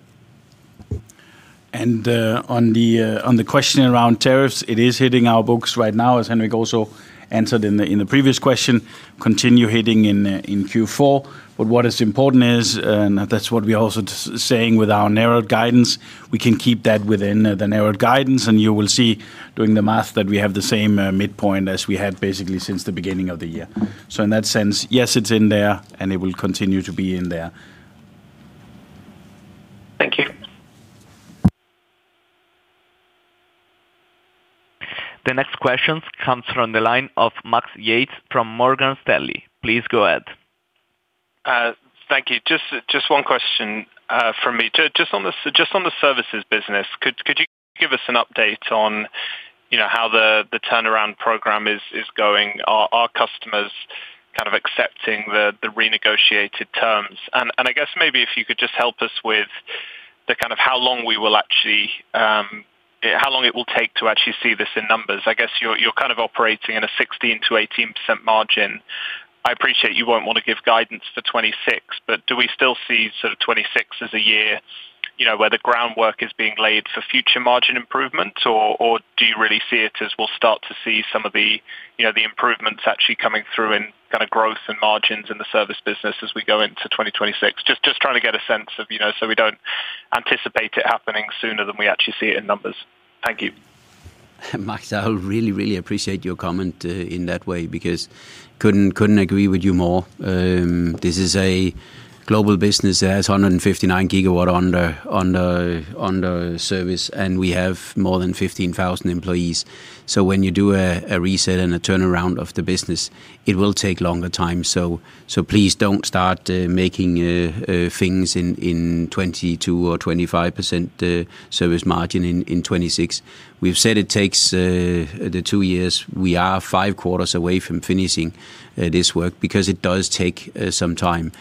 On the question around tariffs, it is hitting our books right now, as Henrik also answered in the previous question, continue hitting in Q4. What is important is, and that's what we are also saying with our narrowed guidance, we can keep that within the narrowed guidance. You will see during the math that we have the same midpoint as we had basically since the beginning of the year. In that sense, yes, it's in there and it will continue to be in there. Thank you. The next question comes from the line of Max Yates from Morgan Stanley. Please go ahead. Thank you. Just one question for me. Just on the services business, could you give us an update on, you know, how the turnaround program is going? Are customers kind of accepting the renegotiated terms? I guess maybe if you could just help us with how long we will actually, how long it will take to actually see this in numbers. I guess you're kind of operating in a 16%-18% margin. I appreciate you won't want to give guidance for 2026, but do we still see sort of 2026 as a year, you know, where the groundwork is being laid for future margin improvements? Or do you really see it as we'll start to see some of the, you know, the improvements actually coming through in kind of growth and margins in the service business as we go into 2026? Just trying to get a sense of, you know, so we do not anticipate it happening sooner than we actually see it in numbers. Thank you. Max, I really, really appreciate your comment in that way because I could not agree with you more. This is a global business that has 159 GW under service and we have more than 15,000 employees. When you do a reset and a turnaround of the business, it will take longer time. Please do not start making things in 22% or 25% service margin in 2026. We have said it takes the two years. We are five quarters away from finishing this work because it does take some time.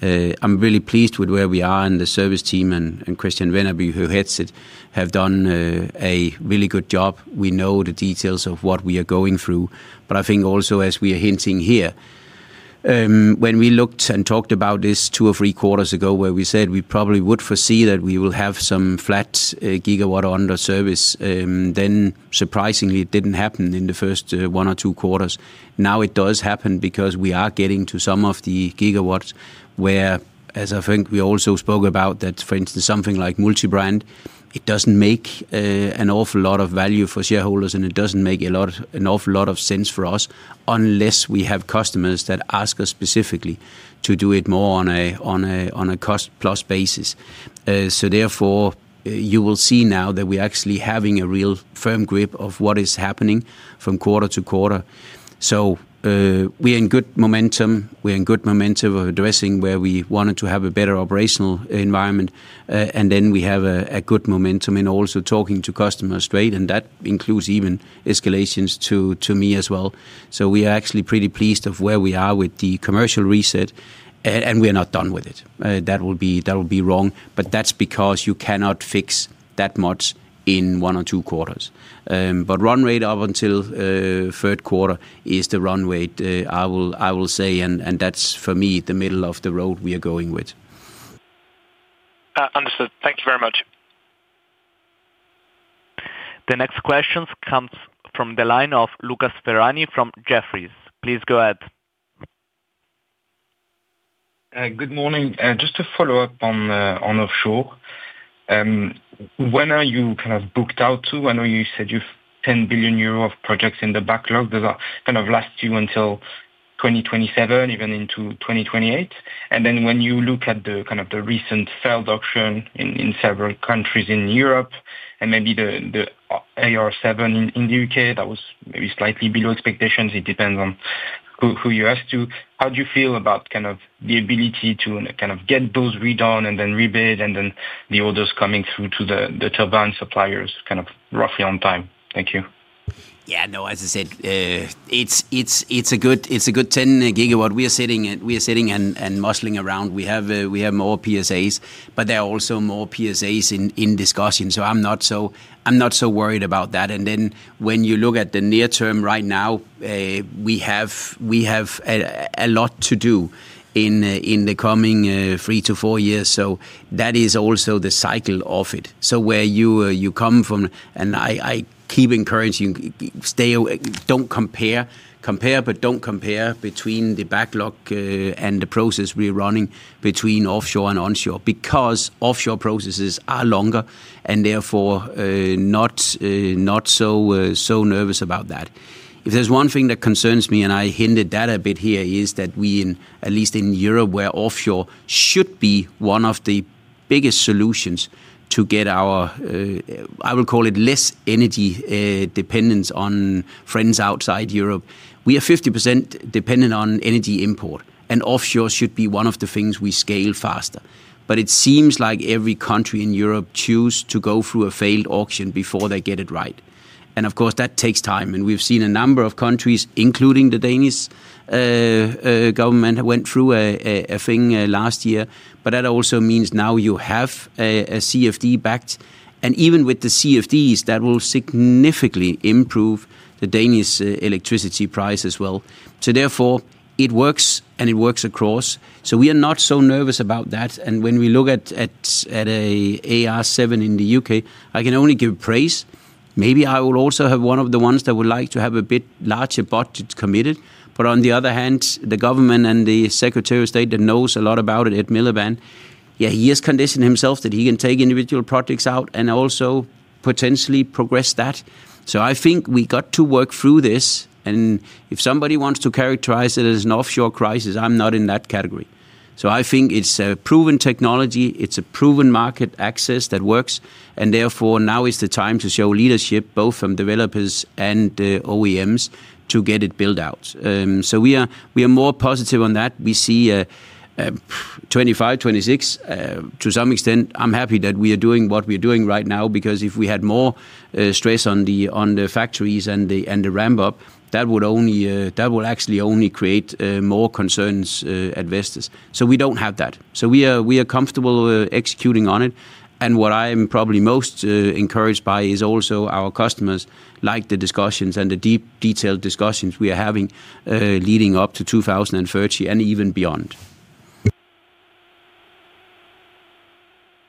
I am really pleased with where we are and the service team and Christian Venderby, who heads it, have done a really good job. We know the details of what we are going through, but I think also as we are hinting here. When we looked and talked about this two or three quarters ago where we said we probably would foresee that we will have some flat gigawatt under service, then surprisingly it did not happen in the first one or two quarters. Now it does happen because we are getting to some of the gigawatts where, as I think we also spoke about that, for instance, something like multi-brand, it does not make an awful lot of value for shareholders and it does not make an awful lot of sense for us unless we have customers that ask us specifically to do it more on a cost plus basis. Therefore, you will see now that we are actually having a real firm grip of what is happening from quarter to quarter. We are in good momentum. We are in good momentum of addressing where we wanted to have a better operational environment. And then we have a good momentum in also talking to customers straight. That includes even escalations to me as well. We are actually pretty pleased of where we are with the commercial reset. We are not done with it. That would be wrong, but that is because you cannot fix that much in one or two quarters. The run rate up until third quarter is the run rate, I will say, and that is for me the middle of the road we are going with. Understood. Thank you very much. The next question comes from the line of Lucas Ferhani from Jefferies. Please go ahead. Good morning. Just to follow-up on offshore. When are you kind of booked out to? I know you said you have 10 billion euro of projects in the backlog. Those kind of last you until 2027, even into 2028. And then when you look at the kind of the recent failed auction in several countries in Europe and maybe the AR7 in the U.K., that was maybe slightly below expectations. It depends on who you ask too. How do you feel about kind of the ability to get those redone and then rebid and then the orders coming through to the turbine suppliers kind of roughly on time? Thank you. Yeah. No, as I said, it's a good 10 GW we are sitting at, we are sitting and muscling around. We have more PSAs, but there are also more PSAs in discussion. I'm not so worried about that. When you look at the near term right now, we have a lot to do in the coming three to four years. That is also the cycle of it. Where you come from, and I keep encouraging you, compare, but don't compare between the backlog and the process we are running between offshore and onshore because offshore processes are longer and therefore, not so nervous about that. If there's one thing that concerns me and I hinted that a bit here is that we in, at least in Europe, where offshore should be one of the biggest solutions to get our, I will call it less energy, dependence on friends outside Europe. We are 50% dependent on energy import and offshore should be one of the things we scale faster. It seems like every country in Europe chooses to go through a failed auction before they get it right. Of course that takes time. We've seen a number of countries, including the Danish government, went through a thing last year. That also means now you have a CFD backed. Even with the CFDs, that will significantly improve the Danish electricity price as well. Therefore it works and it works across. We are not so nervous about that. When we look at AR7 in the U.K., I can only give a praise. Maybe I will also be one of the ones that would like to have a bit larger budget committed. On the other hand, the government and the Secretary of State that knows a lot about it at Millervan, yeah, he has conditioned himself that he can take individual projects out and also potentially progress that. I think we got to work through this. If somebody wants to characterize it as an offshore crisis, I'm not in that category. I think it's a proven technology. It's a proven market access that works. Therefore, now is the time to show leadership both from developers and OEMs to get it built out. We are more positive on that. We see a 2025-2026, to some extent. I'm happy that we are doing what we are doing right now because if we had more stress on the factories and the ramp up, that would actually only create more concerns at Vestas. We do not have that. We are comfortable executing on it. What I am probably most encouraged by is also our customers like the discussions and the deep, detailed discussions we are having, leading up to 2030 and even beyond.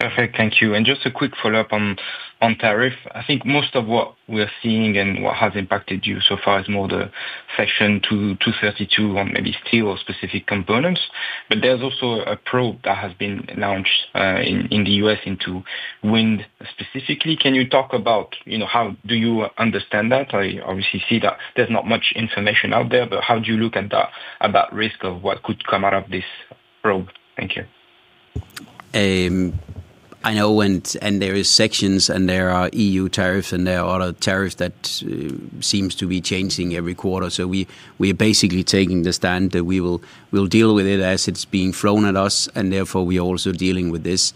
Perfect. Thank you. Just a quick follow-up on tariff. I think most of what we are seeing and what has impacted you so far is more the section 232 on maybe steel or specific components. There is also a probe that has been launched in the U.S. into wind specifically. Can you talk about, you know, how do you understand that? I obviously see that there is not much information out there, but how do you look at that, about risk of what could come out of this probe? Thank you. I know when, and there are sections and there are EU tariffs and there are other tariffs that seem to be changing every quarter. We are basically taking the stand that we will deal with it as it's being flown at us. Therefore, we are also dealing with these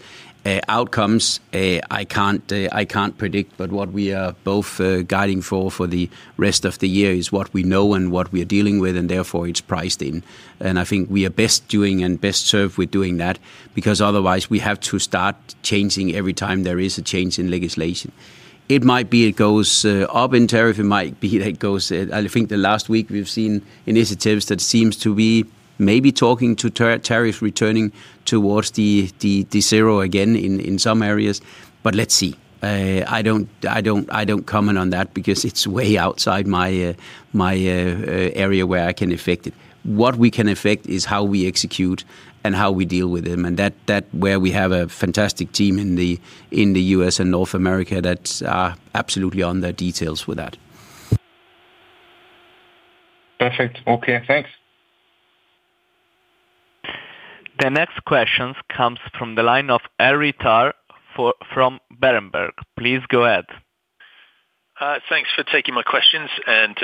outcomes. I can't predict, but what we are both guiding for, for the rest of the year is what we know and what we are dealing with. Therefore, it's priced in. I think we are best doing and best served with doing that because otherwise we have to start changing every time there is a change in legislation. It might be it goes up in tariff. It might be that goes, I think the last week we've seen initiatives that seem to be maybe talking to tariffs returning towards the zero again in some areas. Let's see. I don't comment on that because it's way outside my area where I can affect it. What we can affect is how we execute and how we deal with them. That is where we have a fantastic team in the U.S. and North America that are absolutely on the details with that. Perfect. Okay. Thanks. The next question comes from the line of Henry Tarr from Berenberg. Please go ahead. Thanks for taking my questions, and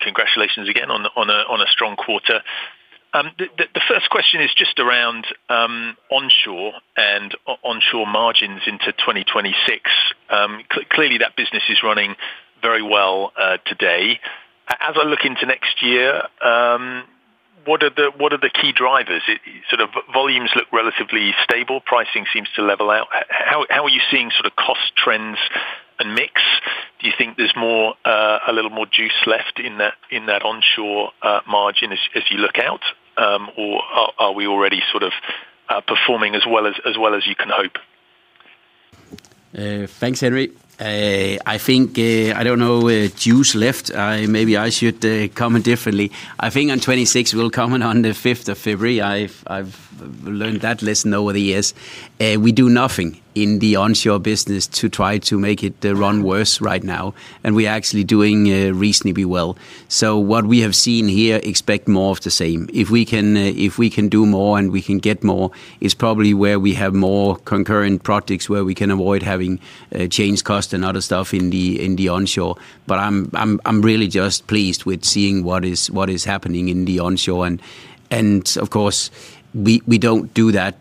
congratulations again on a strong quarter. The first question is just around onshore and onshore margins into 2026. Clearly that business is running very well today. As I look into next year, what are the key drivers? It sort of, volumes look relatively stable. Pricing seems to level out. How are you seeing sort of cost trends and mix? Do you think there's more, a little more juice left in that onshore margin as you look out? Or are we already sort of performing as well as you can hope? Thanks, Henry. I think, I do not know, juice left. Maybe I should comment differently. I think on 2026 we will comment on the 5th of February. I have learned that lesson over the years. We do nothing in the onshore business to try to make it run worse right now. We are actually doing reasonably well. What we have seen here, expect more of the same. If we can do more and we can get more is probably where we have more concurrent projects where we can avoid having change cost and other stuff in the onshore. I am really just pleased with seeing what is happening in the onshore. Of course, we do not do that.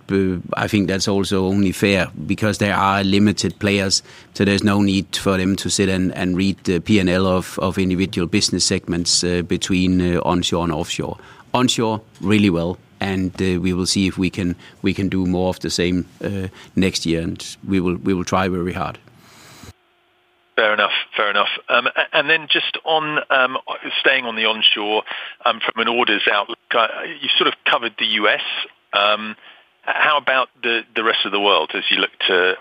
I think that is also only fair because there are limited players. There is no need for them to sit and read the P&L of individual business segments, between onshore and offshore. Onshore really well. We will see if we can do more of the same next year. We will try very hard. Fair enough. Fair enough. And then just on, staying on the onshore, from an orders outlook, you sort of covered the U.S How about the rest of the world as you look to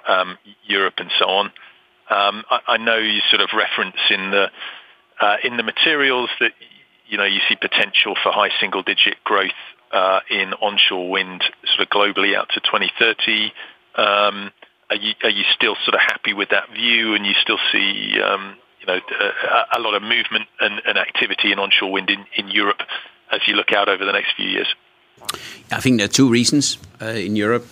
Europe and so on? I know you sort of referenced in the materials that, you know, you see potential for high single digit growth in onshore wind sort of globally out to 2030. Are you still sort of happy with that view? And you still see, you know, a lot of movement and activity in onshore wind in Europe as you look out over the next few years? I think there are two reasons, in Europe.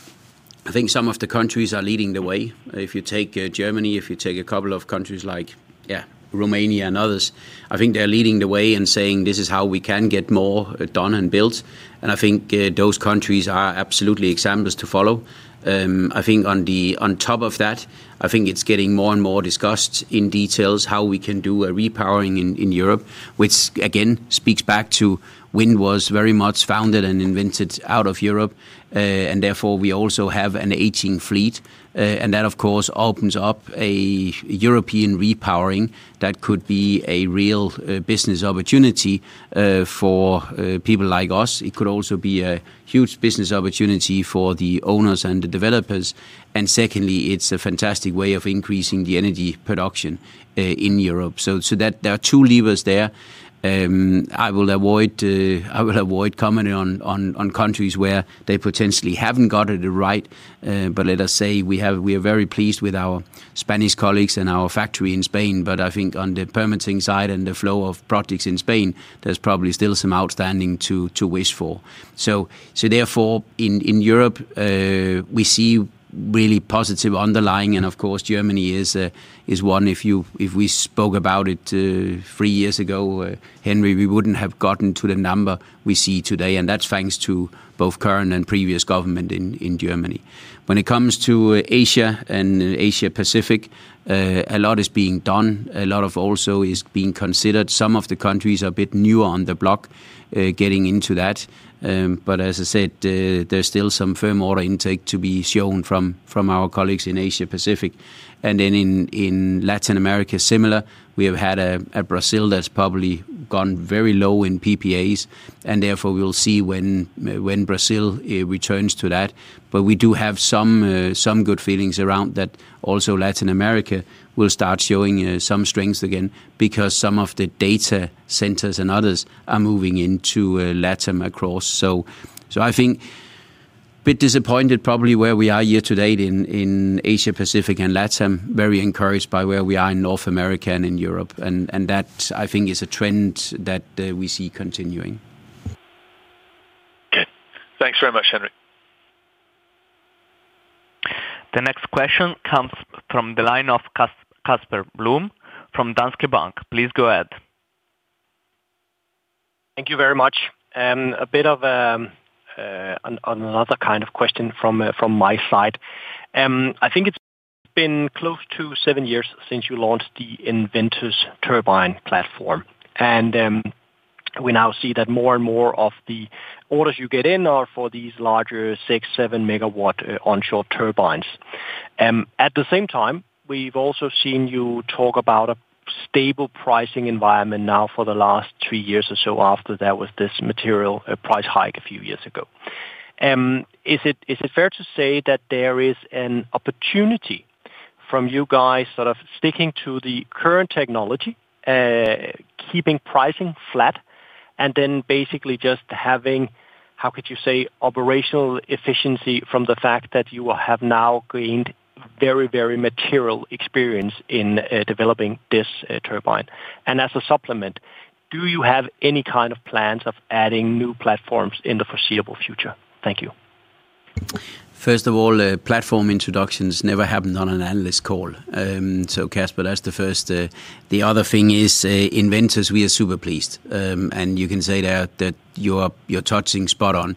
I think some of the countries are leading the way. If you take Germany, if you take a couple of countries like, yeah, Romania and others, I think they're leading the way and saying, this is how we can get more done and built. I think those countries are absolutely examples to follow. I think on top of that, I think it's getting more and more discussed in detail how we can do a repowering in Europe, which again speaks back to wind was very much founded and invented out of Europe, and therefore we also have an aging fleet. That of course opens up a European repowering that could be a real business opportunity for people like us. It could also be a huge business opportunity for the owners and the developers. Secondly, it's a fantastic way of increasing the energy production in Europe. There are two levers there. I will avoid commenting on countries where they potentially haven't got it right, but let us say we are very pleased with our Spanish colleagues and our factory in Spain. I think on the permitting side and the flow of projects in Spain, there's probably still some outstanding to wish for. Therefore, in Europe, we see really positive underlying. Of course, Germany is one. If we spoke about it three years ago, Henry, we wouldn't have gotten to the number we see today. That's thanks to both current and previous government in Germany. When it comes to Asia and Asia Pacific, a lot is being done. A lot also is being considered. Some of the countries are a bit newer on the block, getting into that. As I said, there is still some firm order intake to be shown from our colleagues in Asia Pacific. In Latin America, similar, we have had a Brazil that has probably gone very low in PPAs. We will see when Brazil returns to that. We do have some good feelings around that, also that Latin America will start showing some strength again because some of the data centers and others are moving into LATAM across. I think a bit disappointed probably where we are year to date in Asia Pacific and LATAM, very encouraged by where we are in North America and in Europe. That, I think, is a trend that we see continuing. Okay. Thanks very much, Henrik. The next question comes from the line of Casper Blom from Danske Bank. Please go ahead. Thank you very much. A bit of, an, another kind of question from my side. I think it's been close to seven years since you launched the EnVentus turbine platform. And, we now see that more and more of the orders you get in are for these larger 6, 7 MW, onshore turbines. At the same time, we've also seen you talk about a stable pricing environment now for the last three years or so after there was this material, price hike a few years ago. Is it, is it fair to say that there is an opportunity from you guys sort of sticking to the current technology, keeping pricing flat, and then basically just having, how could you say, operational efficiency from the fact that you have now gained very, very material experience in developing this turbine? As a supplement, do you have any kind of plans of adding new platforms in the foreseeable future? Thank you. First of all, platform introductions never happened on an analyst call. So Casper, that's the first. The other thing is, EnVentus, we are super pleased. And you can say that, that you are, you're touching spot on.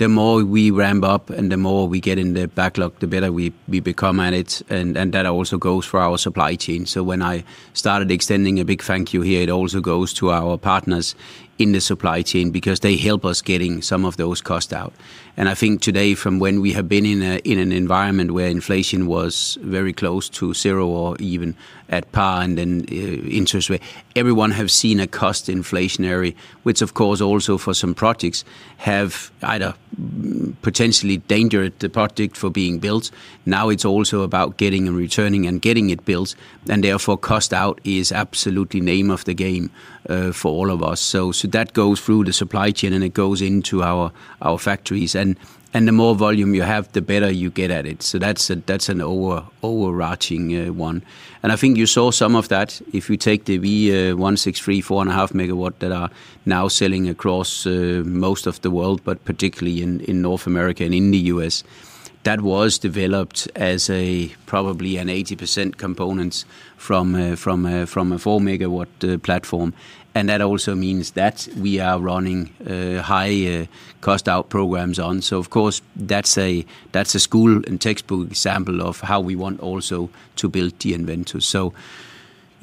The more we ramp up and the more we get in the backlog, the better we become at it. And that also goes for our supply chain. When I started extending a big thank you here, it also goes to our partners in the supply chain because they help us getting some of those costs out. I think today from when we have been in an environment where inflation was very close to zero or even at par and then, interest rate, everyone has seen a cost inflationary, which of course also for some projects have either potentially dangered the project for being built. Now it's also about getting and returning and getting it built. Therefore, cost out is absolutely name of the game for all of us. That goes through the supply chain and it goes into our factories. The more volume you have, the better you get at it. That's an overarching one. I think you saw some of that if you take the V163-4.5 MW that are now selling across most of the world, but particularly in North America and in the U.S That was developed as probably an 80% components from a 4 MW platform. That also means that we are running high cost out programs on. Of course, that's a school and textbook example of how we want also to build the EnVentus.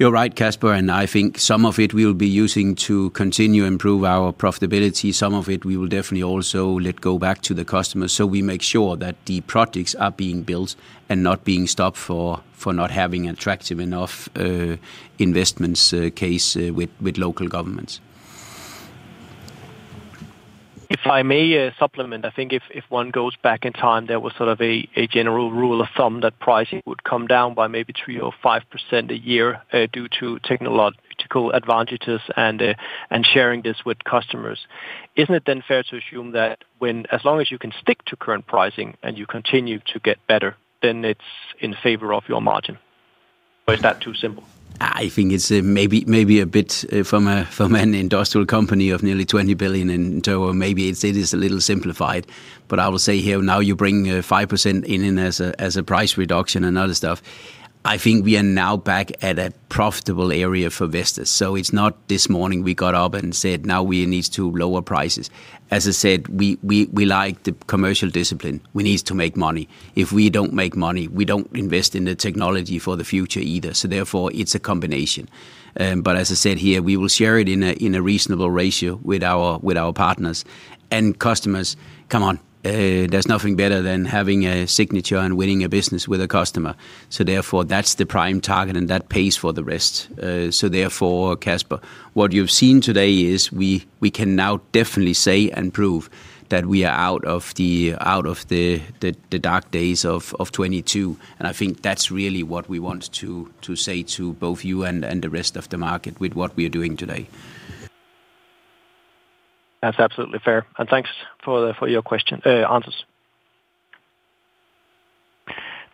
You're right, Casper. I think some of it we'll be using to continue to improve our profitability. Some of it we will definitely also let go back to the customers so we make sure that the projects are being built and not being stopped for not having attractive enough investment cases with local governments. If I may, supplement, I think if one goes back in time, there was sort of a general rule of thumb that pricing would come down by maybe 3% or 5% a year, due to technological advantages and sharing this with customers. Isn't it then fair to assume that when, as long as you can stick to current pricing and you continue to get better, then it's in favor of your margin? Or is that too simple? I think it's maybe a bit, from an industrial company of nearly 20 billion in total, maybe it is a little simplified. I will say here now you bring 5% in as a price reduction and other stuff. I think we are now back at a profitable area for investors. It's not this morning we got up and said, now we need to lower prices. As I said, we like the commercial discipline. We need to make money. If we don't make money, we don't invest in the technology for the future either. Therefore it's a combination. As I said here, we will share it in a reasonable ratio with our partners and customers. Come on. There's nothing better than having a signature and winning a business with a customer. Therefore, that's the prime target and that pays for the rest. Therefore, Casper, what you've seen today is we can now definitely say and prove that we are out of the dark days of 2022. I think that's really what we want to say to both you and the rest of the market with what we are doing today. That's absolutely fair. Thanks for your question, answers.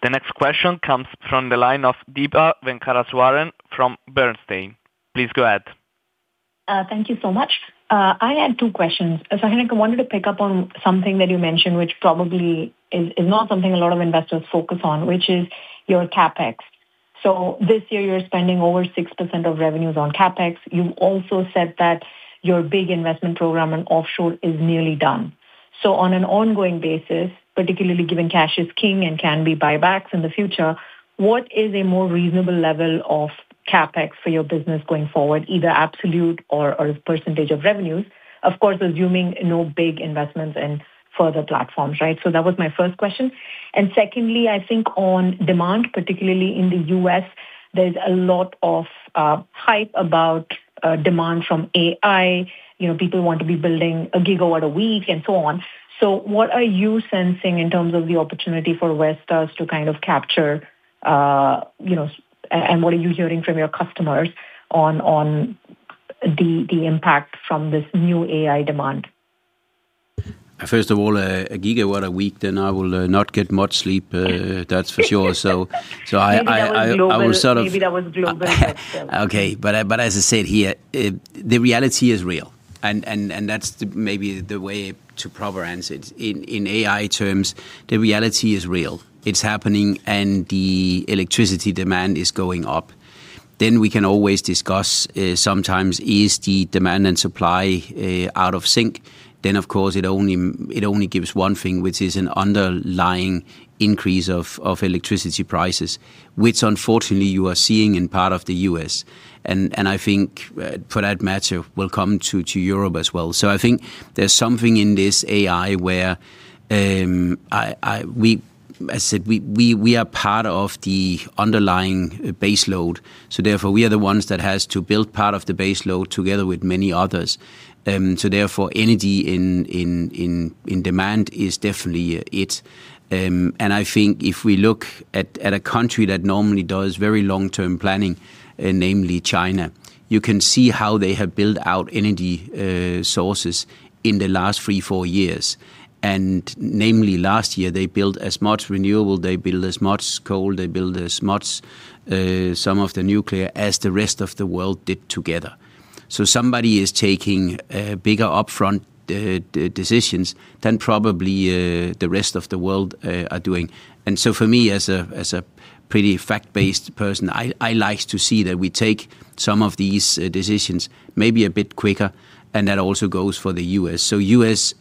The next question comes from the line of Deepa Venkateswaran from Bernstein. Please go ahead. Thank you so much. I had two questions. Henrik, I wanted to pick up on something that you mentioned, which probably is not something a lot of investors focus on, which is your CapEx. This year you're spending over 6% of revenues on CapEx. You've also said that your big investment program on offshore is nearly done. On an ongoing basis, particularly given cash is king and can be buybacks in the future, what is a more reasonable level of CapEx for your business going forward, either absolute or percentage of revenues, of course assuming no big investments in further platforms, right? That was my first question. Secondly, I think on demand, particularly in the U.S., there's a lot of hype about demand from AI. You know, people want to be building a gigawatt a week and so on. What are you sensing in terms of the opportunity for Vestas to kind of capture, you know, and what are you hearing from your customers on the impact from this new AI demand? First of all, a gigawatt a week, then I will not get much sleep, that's for sure. I will sort of. Maybe that was global. Okay. As I said here, the reality is real. That is maybe the way to properly answer it. In AI terms, the reality is real. It's happening and the electricity demand is going up. We can always discuss, sometimes the demand and supply are out of sync. Of course, it only gives one thing, which is an underlying increase of electricity prices, which unfortunately you are seeing in part of the U.S I think, for that matter, it will come to Europe as well. I think there's something in this AI where, as I said, we are part of the underlying baseload. Therefore, we are the ones that have to build part of the baseload together with many others. Therefore, energy in demand is definitely it. I think if we look at a country that normally does very long-term planning, namely China, you can see how they have built out energy sources in the last three, four years. Namely, last year they built as much renewable, they built as much coal, they built as much, some of the nuclear as the rest of the world did together. Somebody is taking bigger upfront decisions than probably the rest of the world are doing. For me, as a pretty fact-based person, I like to see that we take some of these decisions maybe a bit quicker. That also goes for the U.S U.S.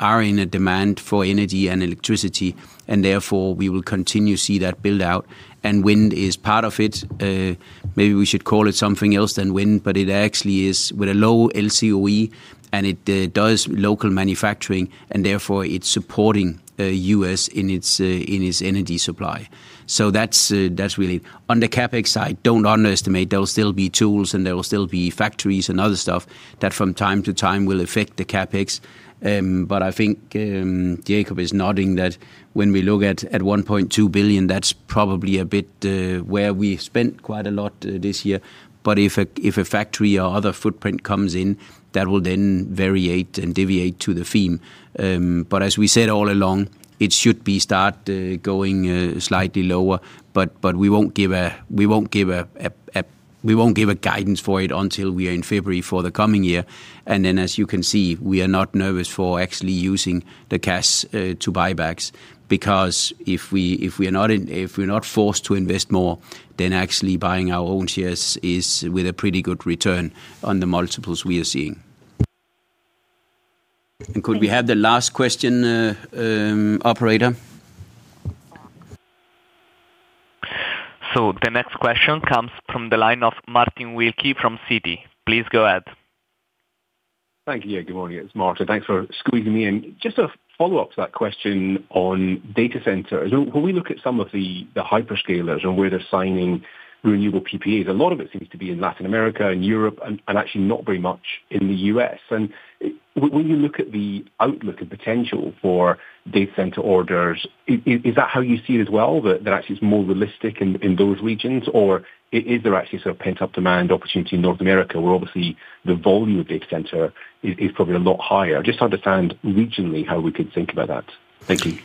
are in a demand for energy and electricity, and therefore we will continue to see that build out. Wind is part of it. Maybe we should call it something else than wind, but it actually is with a low LCOE and it does local manufacturing and therefore it is supporting the U.S. in its energy supply. That is really on the CapEx side. Do not underestimate. There will still be tools and there will still be factories and other stuff that from time to time will affect the CapEx. I think Jakob is nodding that when we look at 1.2 billion, that is probably a bit where we spent quite a lot this year. If a factory or other footprint comes in, that will then variate and deviate to the theme. As we said all along, it should start going slightly lower, but we will not give a guidance for it until we are in February for the coming year. As you can see, we are not nervous for actually using the cash to buybacks because if we are not forced to invest more, then actually buying our own shares is with a pretty good return on the multiples we are seeing. Could we have the last question, operator? The next question comes from the line of Martin Wilkie from Citi. Please go ahead. Thank you. Yeah, good morning. It's Martin. Thanks for squeezing me in. Just a follow-up to that question on data centers. When we look at some of the hyperscalers and where they're signing renewable PPAs, a lot of it seems to be in Latin America and Europe, and actually not very much in the U.S. When you look at the outlook and potential for data center orders, is that how you see it as well, that actually it's more realistic in those regions? Or is there actually sort of pent-up demand opportunity in North America where obviously the volume of data center is probably a lot higher? Just to understand regionally how we could think about that. Thank you.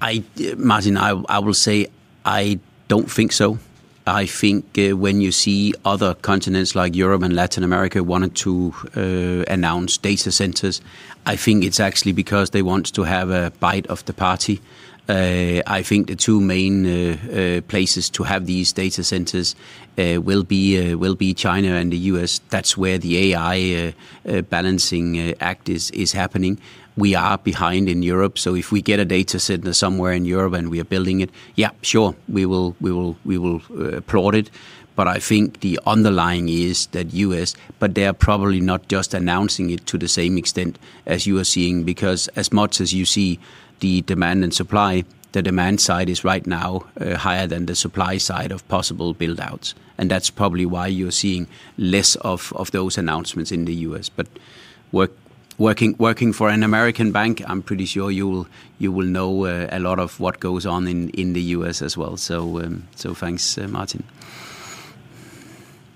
I, Martin, I will say I don't think so. I think, when you see other continents like Europe and Latin America wanting to announce data centers, I think it's actually because they want to have a bite of the party. I think the two main places to have these data centers will be China and the U.S That's where the AI balancing act is happening. We are behind in Europe. If we get a data center somewhere in Europe and we are building it, yeah, sure, we will applaud it. I think the underlying is that U.S., but they are probably not just announcing it to the same extent as you are seeing because as much as you see the demand and supply, the demand side is right now higher than the supply side of possible buildouts. That's probably why you are seeing less of those announcements in the U.S. Working for an American bank, I'm pretty sure you will know a lot of what goes on in the U.S. as well. Thanks, Martin.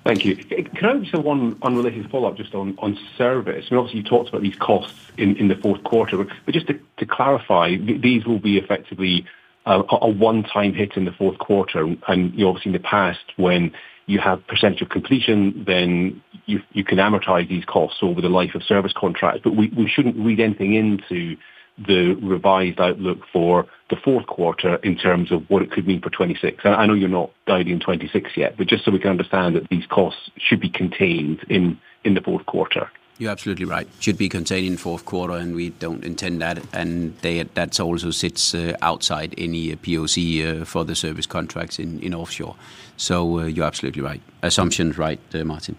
Thank you. Can I just have one related follow-up just on service? Obviously you talked about these costs in the fourth quarter, but just to clarify, these will be effectively a one-time hit in the fourth quarter. You obviously in the past when you have percentage of completion, then you can amortize these costs over the life of service contracts. We should not read anything into the revised outlook for the fourth quarter in terms of what it could mean for 2026. I know you are not guiding 2026 yet, but just so we can understand that these costs should be contained in the fourth quarter. You're absolutely right. Should be contained in fourth quarter. We don't intend that. That also sits outside any POC for the service contracts in offshore. You're absolutely right. Assumption's right, Martin.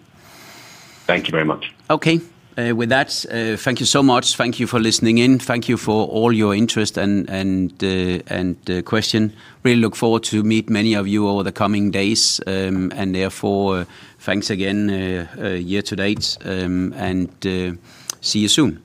Thank you very much. Okay. With that, thank you so much. Thank you for listening in. Thank you for all your interest and question. Really look forward to meet many of you over the coming days. Therefore, thanks again, year to date. See you soon.